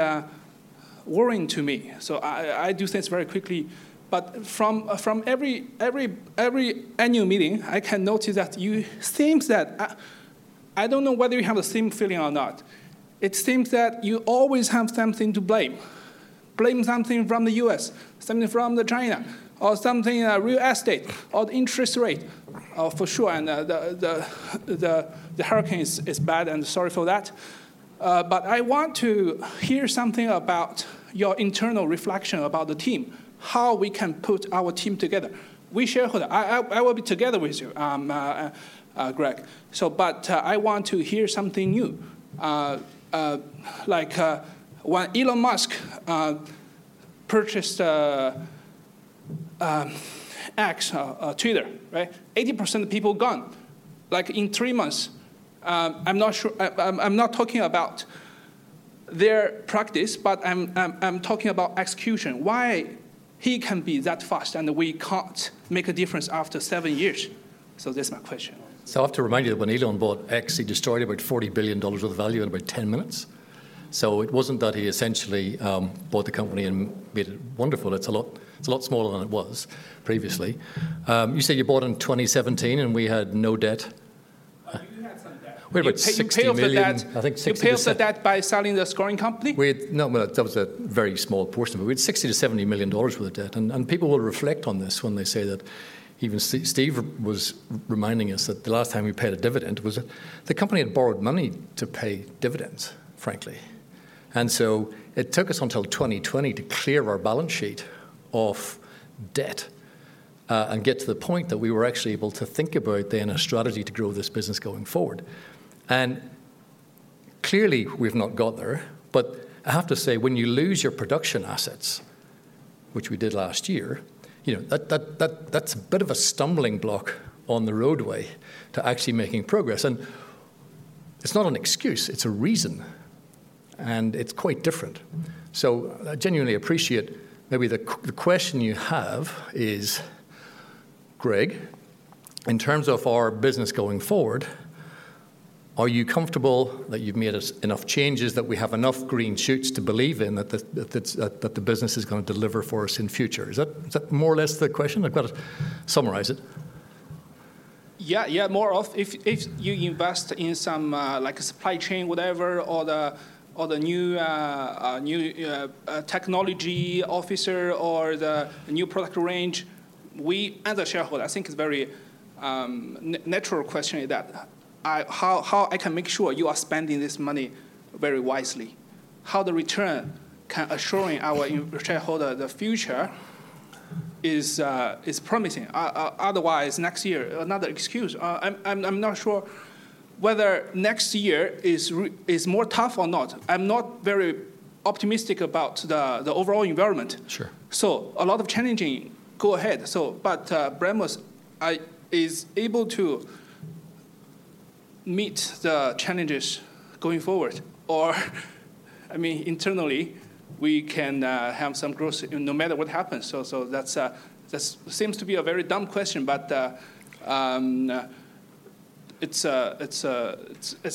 worrying to me? So I do things very quickly. But from every annual meeting, I can notice that you seem that I don't know whether you have the same feeling or not. It seems that you always have something to blame. Blame something from the US, something from China, or something real estate, or the interest rate, for sure. And the hurricane is bad, and sorry for that. But I want to hear something about your internal reflection about the team, how we can put our team together. We shareholder. I will be together with you, Greg. But I want to hear something new. Like when Elon Musk purchased X, Twitter, right? 80% of people gone in three months. I'm not talking about their practice, but I'm talking about execution. Why can he be that fast and we can't make a difference after seven years? So that's my question. So I have to remind you that when Elon bought X, he destroyed about $40 billion of value in about 10 minutes. So it wasn't that he essentially bought the company and made it wonderful. It's a lot smaller than it was previously. You said you bought in 2017 and we had no debt. We had some debt. We paid off the debt. I think 60%. You paid off the debt by selling the spinning company? No, that was a very small portion. But we had 60 million-70 million dollars worth of debt. And people will reflect on this when they say that even Steve was reminding us that the last time we paid a dividend was the company had borrowed money to pay dividends, frankly. And so it took us until 2020 to clear our balance sheet of debt and get to the point that we were actually able to think about then a strategy to grow this business going forward. And clearly, we've not got there. But I have to say, when you lose your production assets, which we did last year, that's a bit of a stumbling block on the roadway to actually making progress. And it's not an excuse. It's a reason. And it's quite different. So I genuinely appreciate maybe the question you have is, Greg, in terms of our business going forward, are you comfortable that you've made enough changes that we have enough green shoots to believe in that the business is going to deliver for us in future? Is that more or less the question? I've got to summarize it. Yeah, yeah. More often, if you invest in some supply chain, whatever, or the new technology officer or the new product range, we. As a shareholder, I think it's a very natural question that how I can make sure you are spending this money very wisely. How the return can assure our shareholder the future is promising. Otherwise, next year, another excuse. I'm not sure whether next year is more tough or not. I'm not very optimistic about the overall environment. So a lot of challenges going ahead. But Bremworth is able to meet the challenges going forward. Or I mean, internally, we can have some growth no matter what happens. So that seems to be a very dumb question, but it's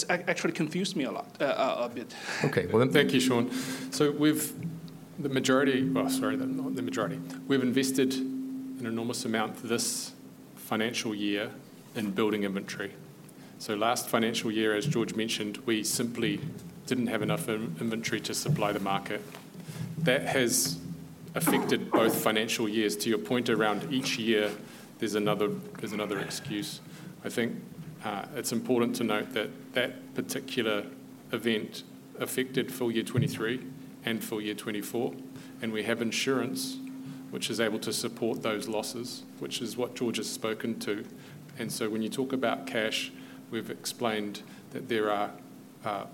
actually confused me a bit. Okay. Well, thank you, Sean. So the majority well, sorry, not the majority. We've invested an enormous amount this financial year in building inventory. So last financial year, as George mentioned, we simply didn't have enough inventory to supply the market. That has affected both financial years. To your point around each year, there's another excuse. I think it's important to note that that particular event affected full year 2023 and full year 2024, and we have insurance, which is able to support those losses, which is what George has spoken to, and so when you talk about cash, we've explained that there are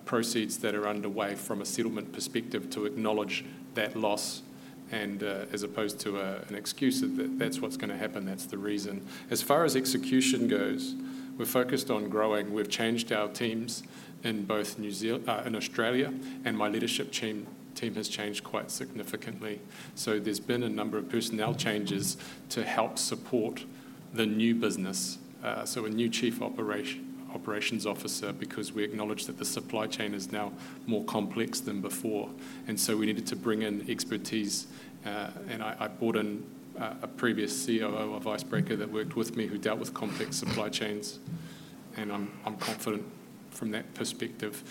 proceeds that are underway from a settlement perspective to acknowledge that loss. And as opposed to an excuse of that, that's what's going to happen. That's the reason. As far as execution goes, we're focused on growing. We've changed our teams in Australia, and my leadership team has changed quite significantly, so there's been a number of personnel changes to help support the new business. So a new Chief Operations Officer, because we acknowledge that the supply chain is now more complex than before, and so we needed to bring in expertise. I brought in a previous COO of Icebreaker that worked with me, who dealt with complex supply chains. I'm confident from that perspective.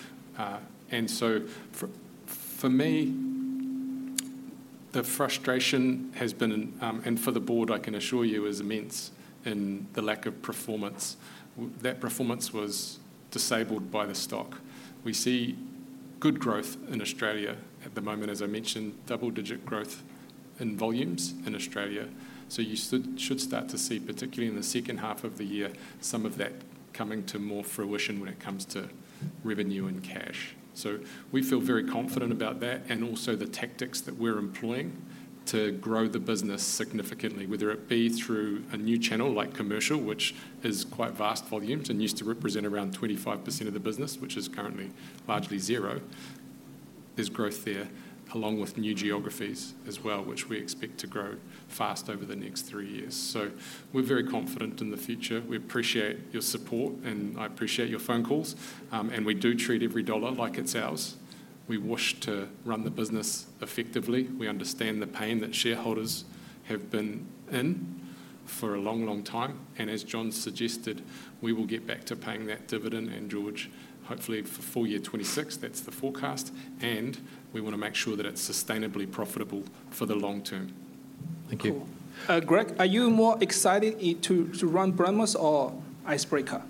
For me, the frustration has been, and for the board, I can assure you, immense in the lack of performance. That performance was disabled by the stock. We see good growth in Australia at the moment, as I mentioned, double-digit growth in volumes in Australia. You should start to see, particularly in the second half of the year, some of that coming to more fruition when it comes to revenue and cash. We feel very confident about that and also the tactics that we're employing to grow the business significantly, whether it be through a new channel like commercial, which is quite vast volumes and used to represent around 25% of the business, which is currently largely zero. There's growth there along with new geographies as well, which we expect to grow fast over the next three years. So we're very confident in the future. We appreciate your support, and I appreciate your phone calls. And we do treat every dollar like it's ours. We wish to run the business effectively. We understand the pain that shareholders have been in for a long, long time. And as John suggested, we will get back to paying that dividend. And George, hopefully for full year 2026, that's the forecast. And we want to make sure that it's sustainably profitable for the long term. Thank you. Greg, are you more excited to run Bremworth or Icebreaker?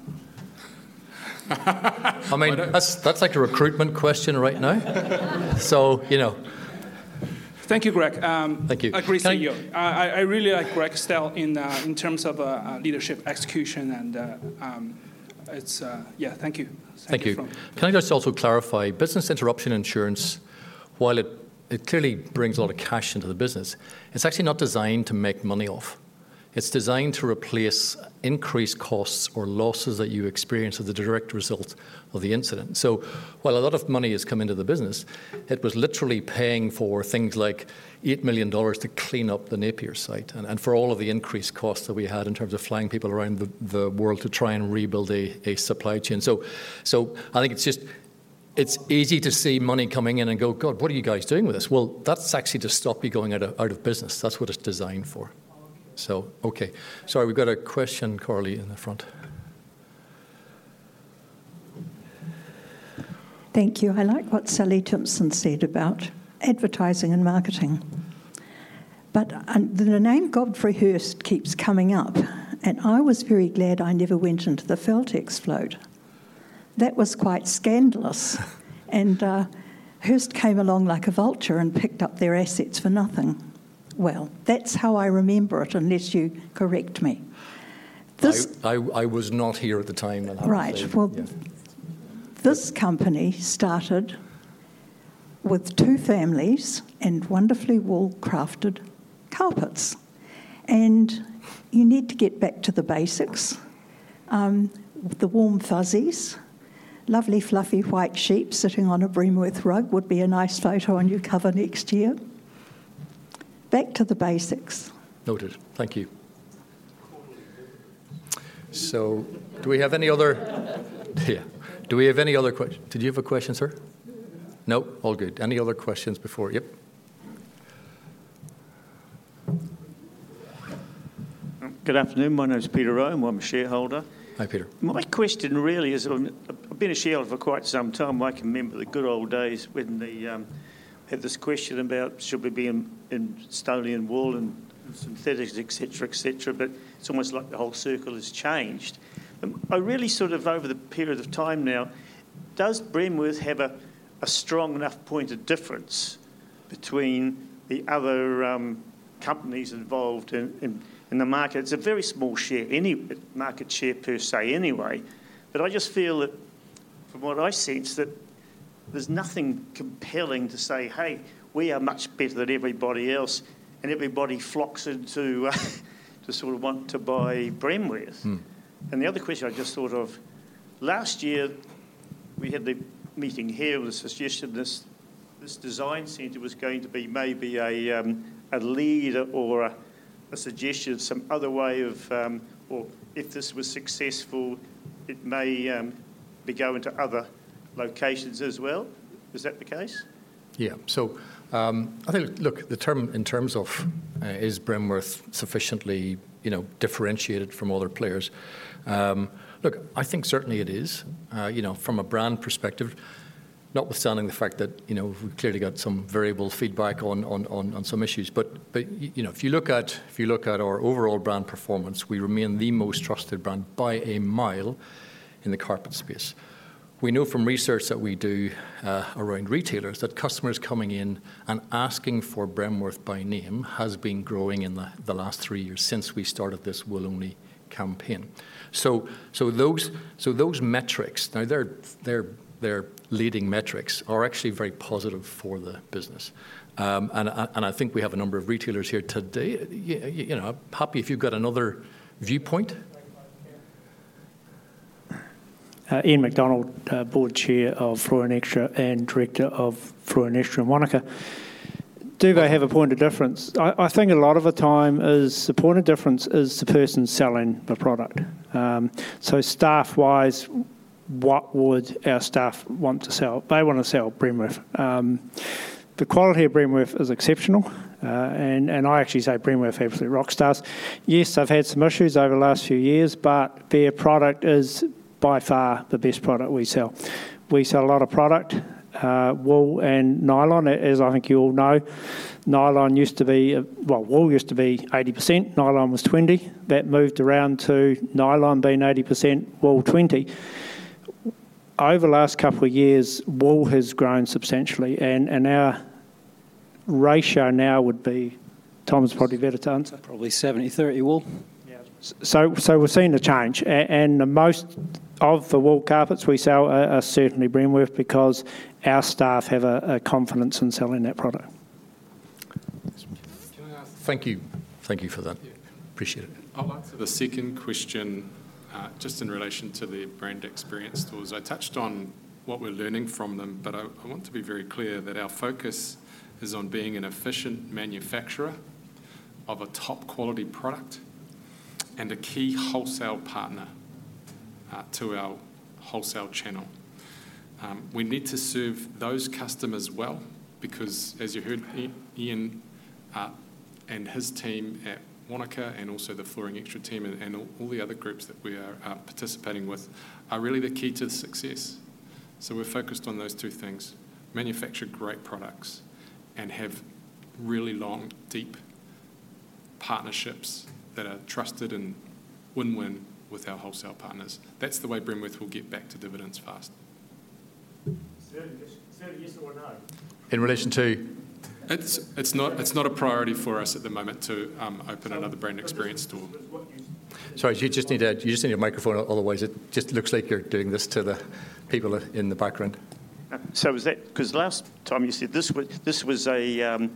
I mean, that's like a recruitment question right now. So thank you, Greg. Thank you. I agree with you. I really like Greg's style in terms of leadership, execution, and it's yeah, thank you. Thank you. Can I just also clarify? Business interruption insurance, while it clearly brings a lot of cash into the business, it's actually not designed to make money off. It's designed to replace increased costs or losses that you experience as a direct result of the incident, so while a lot of money has come into the business, it was literally paying for things like 8 million dollars to clean up the Napier site and for all of the increased costs that we had in terms of flying people around the world to try and rebuild a supply chain, so I think it's just easy to see money coming in and go, "God, what are you guys doing with this?" Well, that's actually to stop you going out of business. That's what it's designed for. So, okay. Sorry, we've got a question, Coralie, in the front. Thank you. I like what Susie Thompson said about advertising and marketing. But the name Godfrey Hirst keeps coming up. And I was very glad I never went into the Feltex's float. That was quite scandalous. And Hirst came along like a vulture and picked up their assets for nothing. Well, that's how I remember it, unless you correct me. I was not here at the time. Right. Well, this company started with two families and wonderfully well-crafted carpets. And you need to get back to the basics. The warm fuzzies, lovely, fluffy white sheep sitting on a Bremworth rug would be a nice photo on your cover next year. Back to the basics. Noted. Thank you. So do we have any other? Do we have any other questions? Did you have a question, sir? No? All good. Any other questions before? Yep. Good afternoon. My name is Peter Owen. I'm a shareholder. Hi, Peter. My question really is, I've been a shareholder for quite some time. I can remember the good old days when they had this question about should we be in stone and wool and synthetics, etc., etc., but it's almost like the whole circle has changed, but I really sort of over the period of time now, does Bremworth have a strong enough point of difference between the other companies involved in the market? It's a very small market share per se anyway, but I just feel that from what I sense, that there's nothing compelling to say, "Hey, we are much better than everybody else," and everybody flocks in to sort of want to buy Bremworth. The other question I just thought of, last year, we had the meeting here with the suggestion that this design center was going to be maybe a leader or a suggestion of some other way of, well, if this was successful, it may be going to other locations as well. Is that the case? Yeah. I think, look, the term in terms of, is Bremworth sufficiently differentiated from other players? Look, I think certainly it is. From a brand perspective, notwithstanding the fact that we've clearly got some variable feedback on some issues. If you look at our overall brand performance, we remain the most trusted brand by a mile in the carpet space. We know from research that we do around retailers that customers coming in and asking for Bremworth by name has been growing in the last three years since we started this wool-only campaign. So those metrics, now they're leading metrics, are actually very positive for the business. And I think we have a number of retailers here today. I'm happy if you've got another viewpoint. Ian Macdonald, Board Chair of Flooring Xtra and director of Flooring Xtra Manukau. Do they have a point of difference? I think a lot of the time is the point of difference is the person selling the product. So staff-wise, what would our staff want to sell? They want to sell Bremworth. The quality of Bremworth is exceptional. And I actually say Bremworth absolute rockstars. Yes, I've had some issues over the last few years, but their product is by far the best product we sell. We sell a lot of product, wool and nylon, as I think you all know. Nylon used to be well, wool used to be 80%. Nylon was 20%. That moved around to nylon being 80%, wool 20%. Over the last couple of years, wool has grown substantially and our ratio now would be Tom's probably better to answer. Probably 70/30 wool. Yeah. So we're seeing a change and most of the wool carpets we sell are certainly Bremworth because our staff have a confidence in selling that product. Thank you. Thank you for that. Appreciate it. I'll answer the second question just in relation to the brand experience stores. I touched on what we're learning from them, but I want to be very clear that our focus is on being an efficient manufacturer of a top-quality product and a key wholesale partner to our wholesale channel. We need to serve those customers well because, as you heard, Ian and his team at Manukau and also the Flooring Xtra team and all the other groups that we are participating with are really the key to the success. So we're focused on those two things: manufacture great products and have really long, deep partnerships that are trusted and win-win with our wholesale partners. That's the way Bremworth will get back to dividends fast. Certainly yes or no. In relation to? It's not a priority for us at the moment to open another brand experience store. Sorry, you just need a microphone otherwise. It just looks like you're doing this to the people in the background. So was that because last time you said this was a test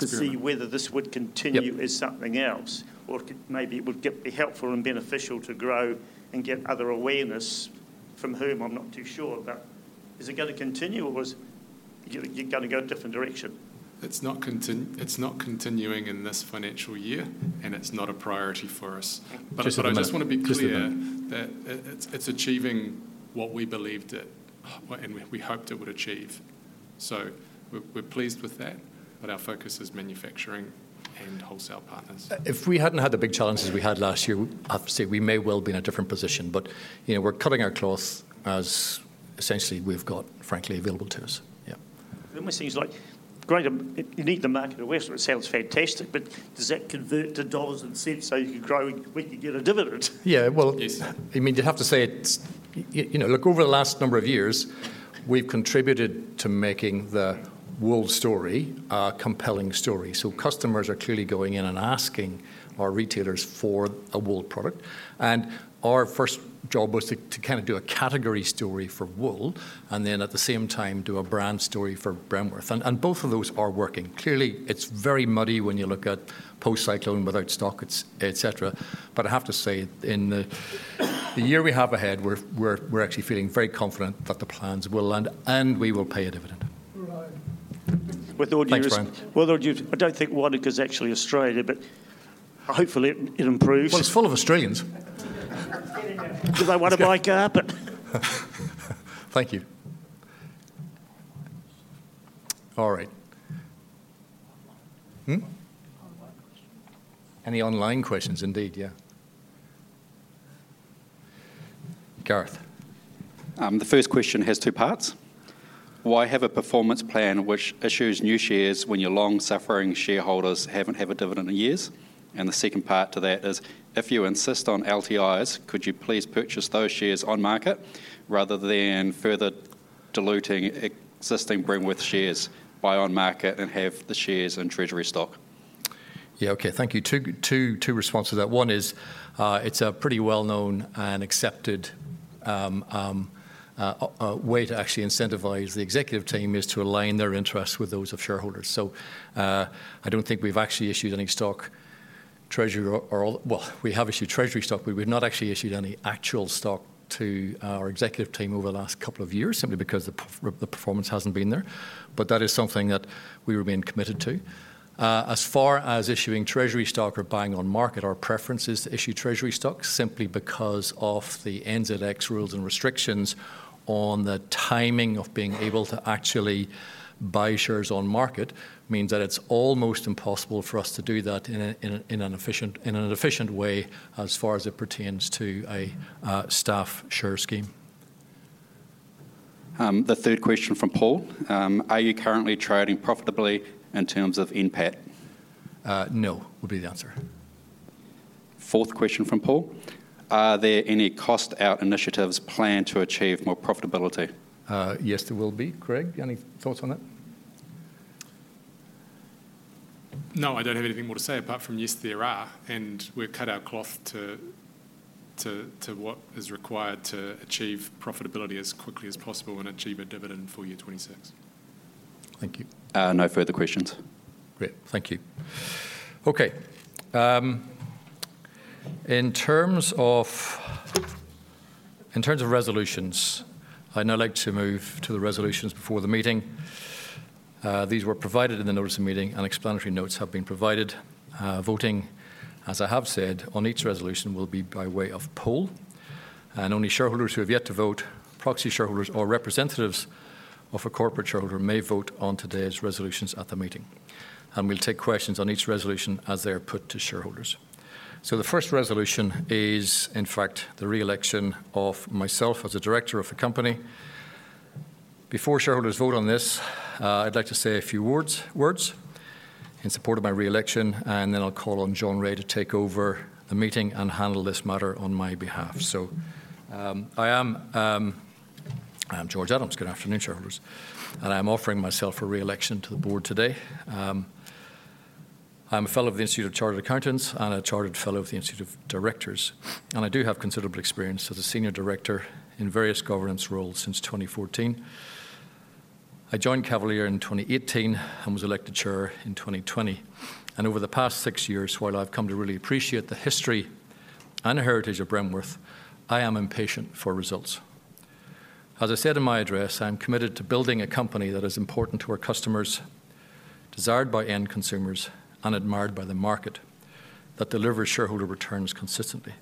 to see whether this would continue is something else. Or maybe it would be helpful and beneficial to grow and get other awareness from whom, I'm not too sure. But is it going to continue or is it going to go a different direction? It's not continuing in this financial year, and it's not a priority for us. But I just want to be clear that it's achieving what we believed it and we hoped it would achieve. So we're pleased with that, but our focus is manufacturing and wholesale partners. If we hadn't had the big challenges we had last year, obviously, we may well be in a different position. But we're cutting our cloth as essentially we've got, frankly, available to us. Yeah. It almost seems like you need the market to work. It sounds fantastic, but does that convert to dollars and cents so you can grow when you get a dividend? Yeah. Well, I mean, you'd have to say it's. Look, over the last number of years, we'd contributed to making the wool story a compelling story. So customers are clearly going in and asking our retailers for a wool product. And our first job was to kind of do a category story for wool, and then at the same time, do a brand story for Bremworth. And both of those are working. Clearly, it's very muddy when you look at post-cyclone without stock, etc. But I have to say, in the year we have ahead, we're actually feeling very confident that the plans will land and we will pay a dividend. Right. With all due respect. Well, I don't think Manukau's actually Australia, but hopefully it improves. Well, it's full of Australians. Because I want to make it happen. Thank you. All right. Any online questions? Indeed, yeah. Gareth. The first question has two parts. Why have a performance plan which issues new shares when your long-suffering shareholders haven't had a dividend in years? And the second part to that is, if you insist on LTIs, could you please purchase those shares on market rather than further diluting existing Bremworth shares by on market and have the shares in treasury stock? Yeah. Okay. Thank you. Two responses to that. One is it's a pretty well-known and accepted way to actually incentivize the executive team is to align their interests with those of shareholders. So I don't think we've actually issued any stock treasury or well, we have issued treasury stock, but we've not actually issued any actual stock to our executive team over the last couple of years simply because the performance hasn't been there. But that is something that we remain committed to. As far as issuing treasury stock or buying on market, our preference is to issue treasury stock simply because of the NZX rules and restrictions on the timing of being able to actually buy shares on market means that it's almost impossible for us to do that in an efficient way as far as it pertains to a staff share scheme. The third question from Paul. Are you currently trading profitably in terms of NPAT? No, would be the answer. Fourth question from Paul. Are there any cost-out initiatives planned to achieve more profitability? Yes, there will be. Greg, any thoughts on that? No, I don't have anything more to say apart from yes, there are. And we've cut our cloth to what is required to achieve profitability as quickly as possible and achieve a dividend for 2026. Thank you. No further questions. Great. Thank you. Okay. In terms of resolutions, I'd now like to move to the resolutions before the meeting. These were provided in the notice of meeting. Explanatory notes have been provided. Voting, as I have said, on each resolution will be by way of poll, and only shareholders who have yet to vote, proxy shareholders, or representatives of a corporate shareholder may vote on today's resolutions at the meeting. We'll take questions on each resolution as they are put to shareholders. The first resolution is, in fact, the re-election of myself as the director of the company. Before shareholders vote on this, I'd like to say a few words in support of my re-election, and then I'll call on John Rae to take over the meeting and handle this matter on my behalf. I am George Adams. Good afternoon, shareholders. I am offering myself for re-election to the board today. I'm a fellow of the Institute of Chartered Accountants and a Chartered Fellow of the Institute of Directors. I do have considerable experience as a senior director in various governance roles since 2014. I joined Cavalier in 2018 and was elected chair in 2020. Over the past six years, while I've come to really appreciate the history and heritage of Bremworth, I am impatient for results. As I said in my address, I'm committed to building a company that is important to our customers, desired by end consumers, and admired by the market that delivers shareholder returns consistently.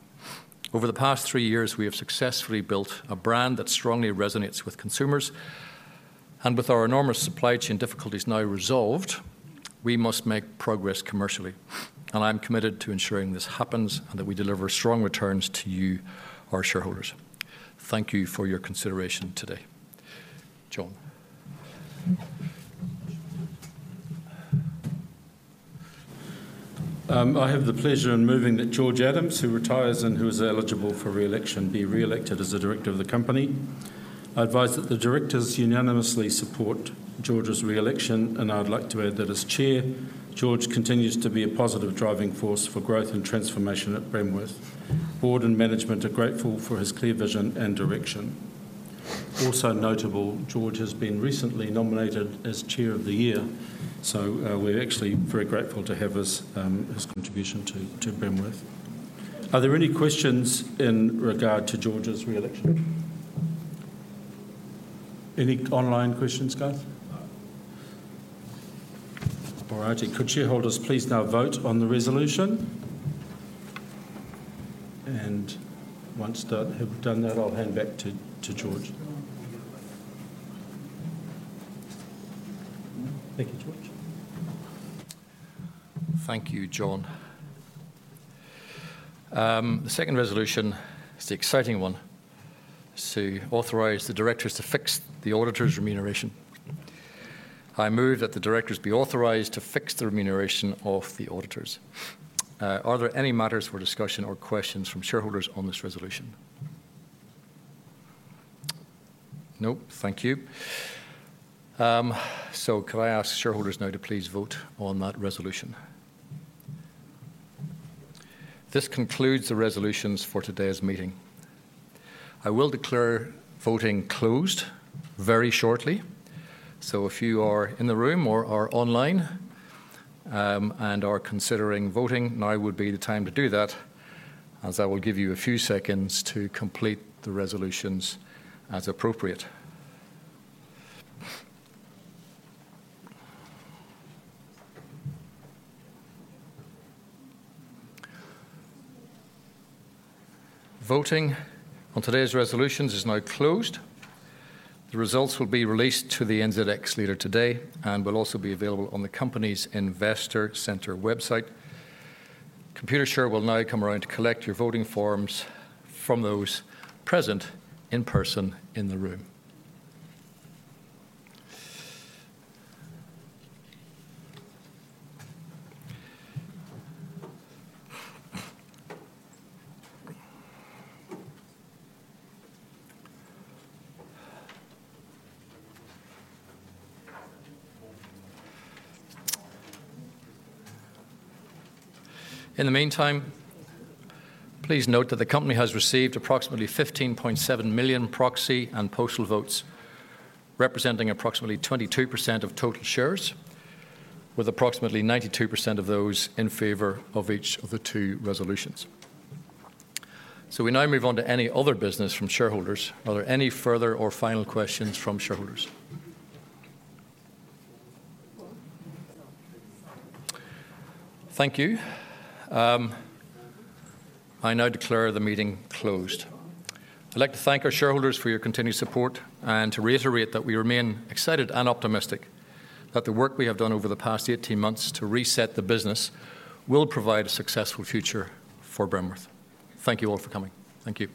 Over the past three years, we have successfully built a brand that strongly resonates with consumers. With our enormous supply chain difficulties now resolved, we must make progress commercially. I'm committed to ensuring this happens and that we deliver strong returns to you, our shareholders. Thank you for your consideration today. John. I have the pleasure in moving that George Adams, who retires and who is eligible for re-election, be re-elected as the director of the company. I advise that the directors unanimously support George's re-election, and I'd like to add that as Chair, George continues to be a positive driving force for growth and transformation at Bremworth. Board and management are grateful for his clear vision and direction. Also notable, George has been recently nominated as Chair of the Year. We're actually very grateful to have his contribution to Bremworth. Are there any questions in regard to George's re-election? Any online questions, guys? All righty. Could shareholders please now vote on the resolution? Once that have done that, I'll hand back to George. Thank you, George. Thank you, John. The second resolution is the exciting one. It's to authorize the directors to fix the auditor's remuneration. I move that the directors be authorized to fix the remuneration of the auditors. Are there any matters for discussion or questions from shareholders on this resolution? Nope. Thank you. So could I ask shareholders now to please vote on that resolution? This concludes the resolutions for today's meeting. I will declare voting closed very shortly. So if you are in the room or are online and are considering voting, now would be the time to do that, as I will give you a few seconds to complete the resolutions as appropriate. Voting on today's resolutions is now closed. The results will be released to the NZX later today and will also be available on the company's investor center website. Computershare will now come around to collect your voting forms from those present in person in the room. In the meantime, please note that the company has received approximately 15.7 million proxy and postal votes, representing approximately 22% of total shares, with approximately 92% of those in favor of each of the two resolutions. So we now move on to any other business from shareholders. Are there any further or final questions from shareholders? Thank you. I now declare the meeting closed. I'd like to thank our shareholders for your continued support and to reiterate that we remain excited and optimistic that the work we have done over the past 18 months to reset the business will provide a successful future for Bremworth. Thank you all for coming. Thank you.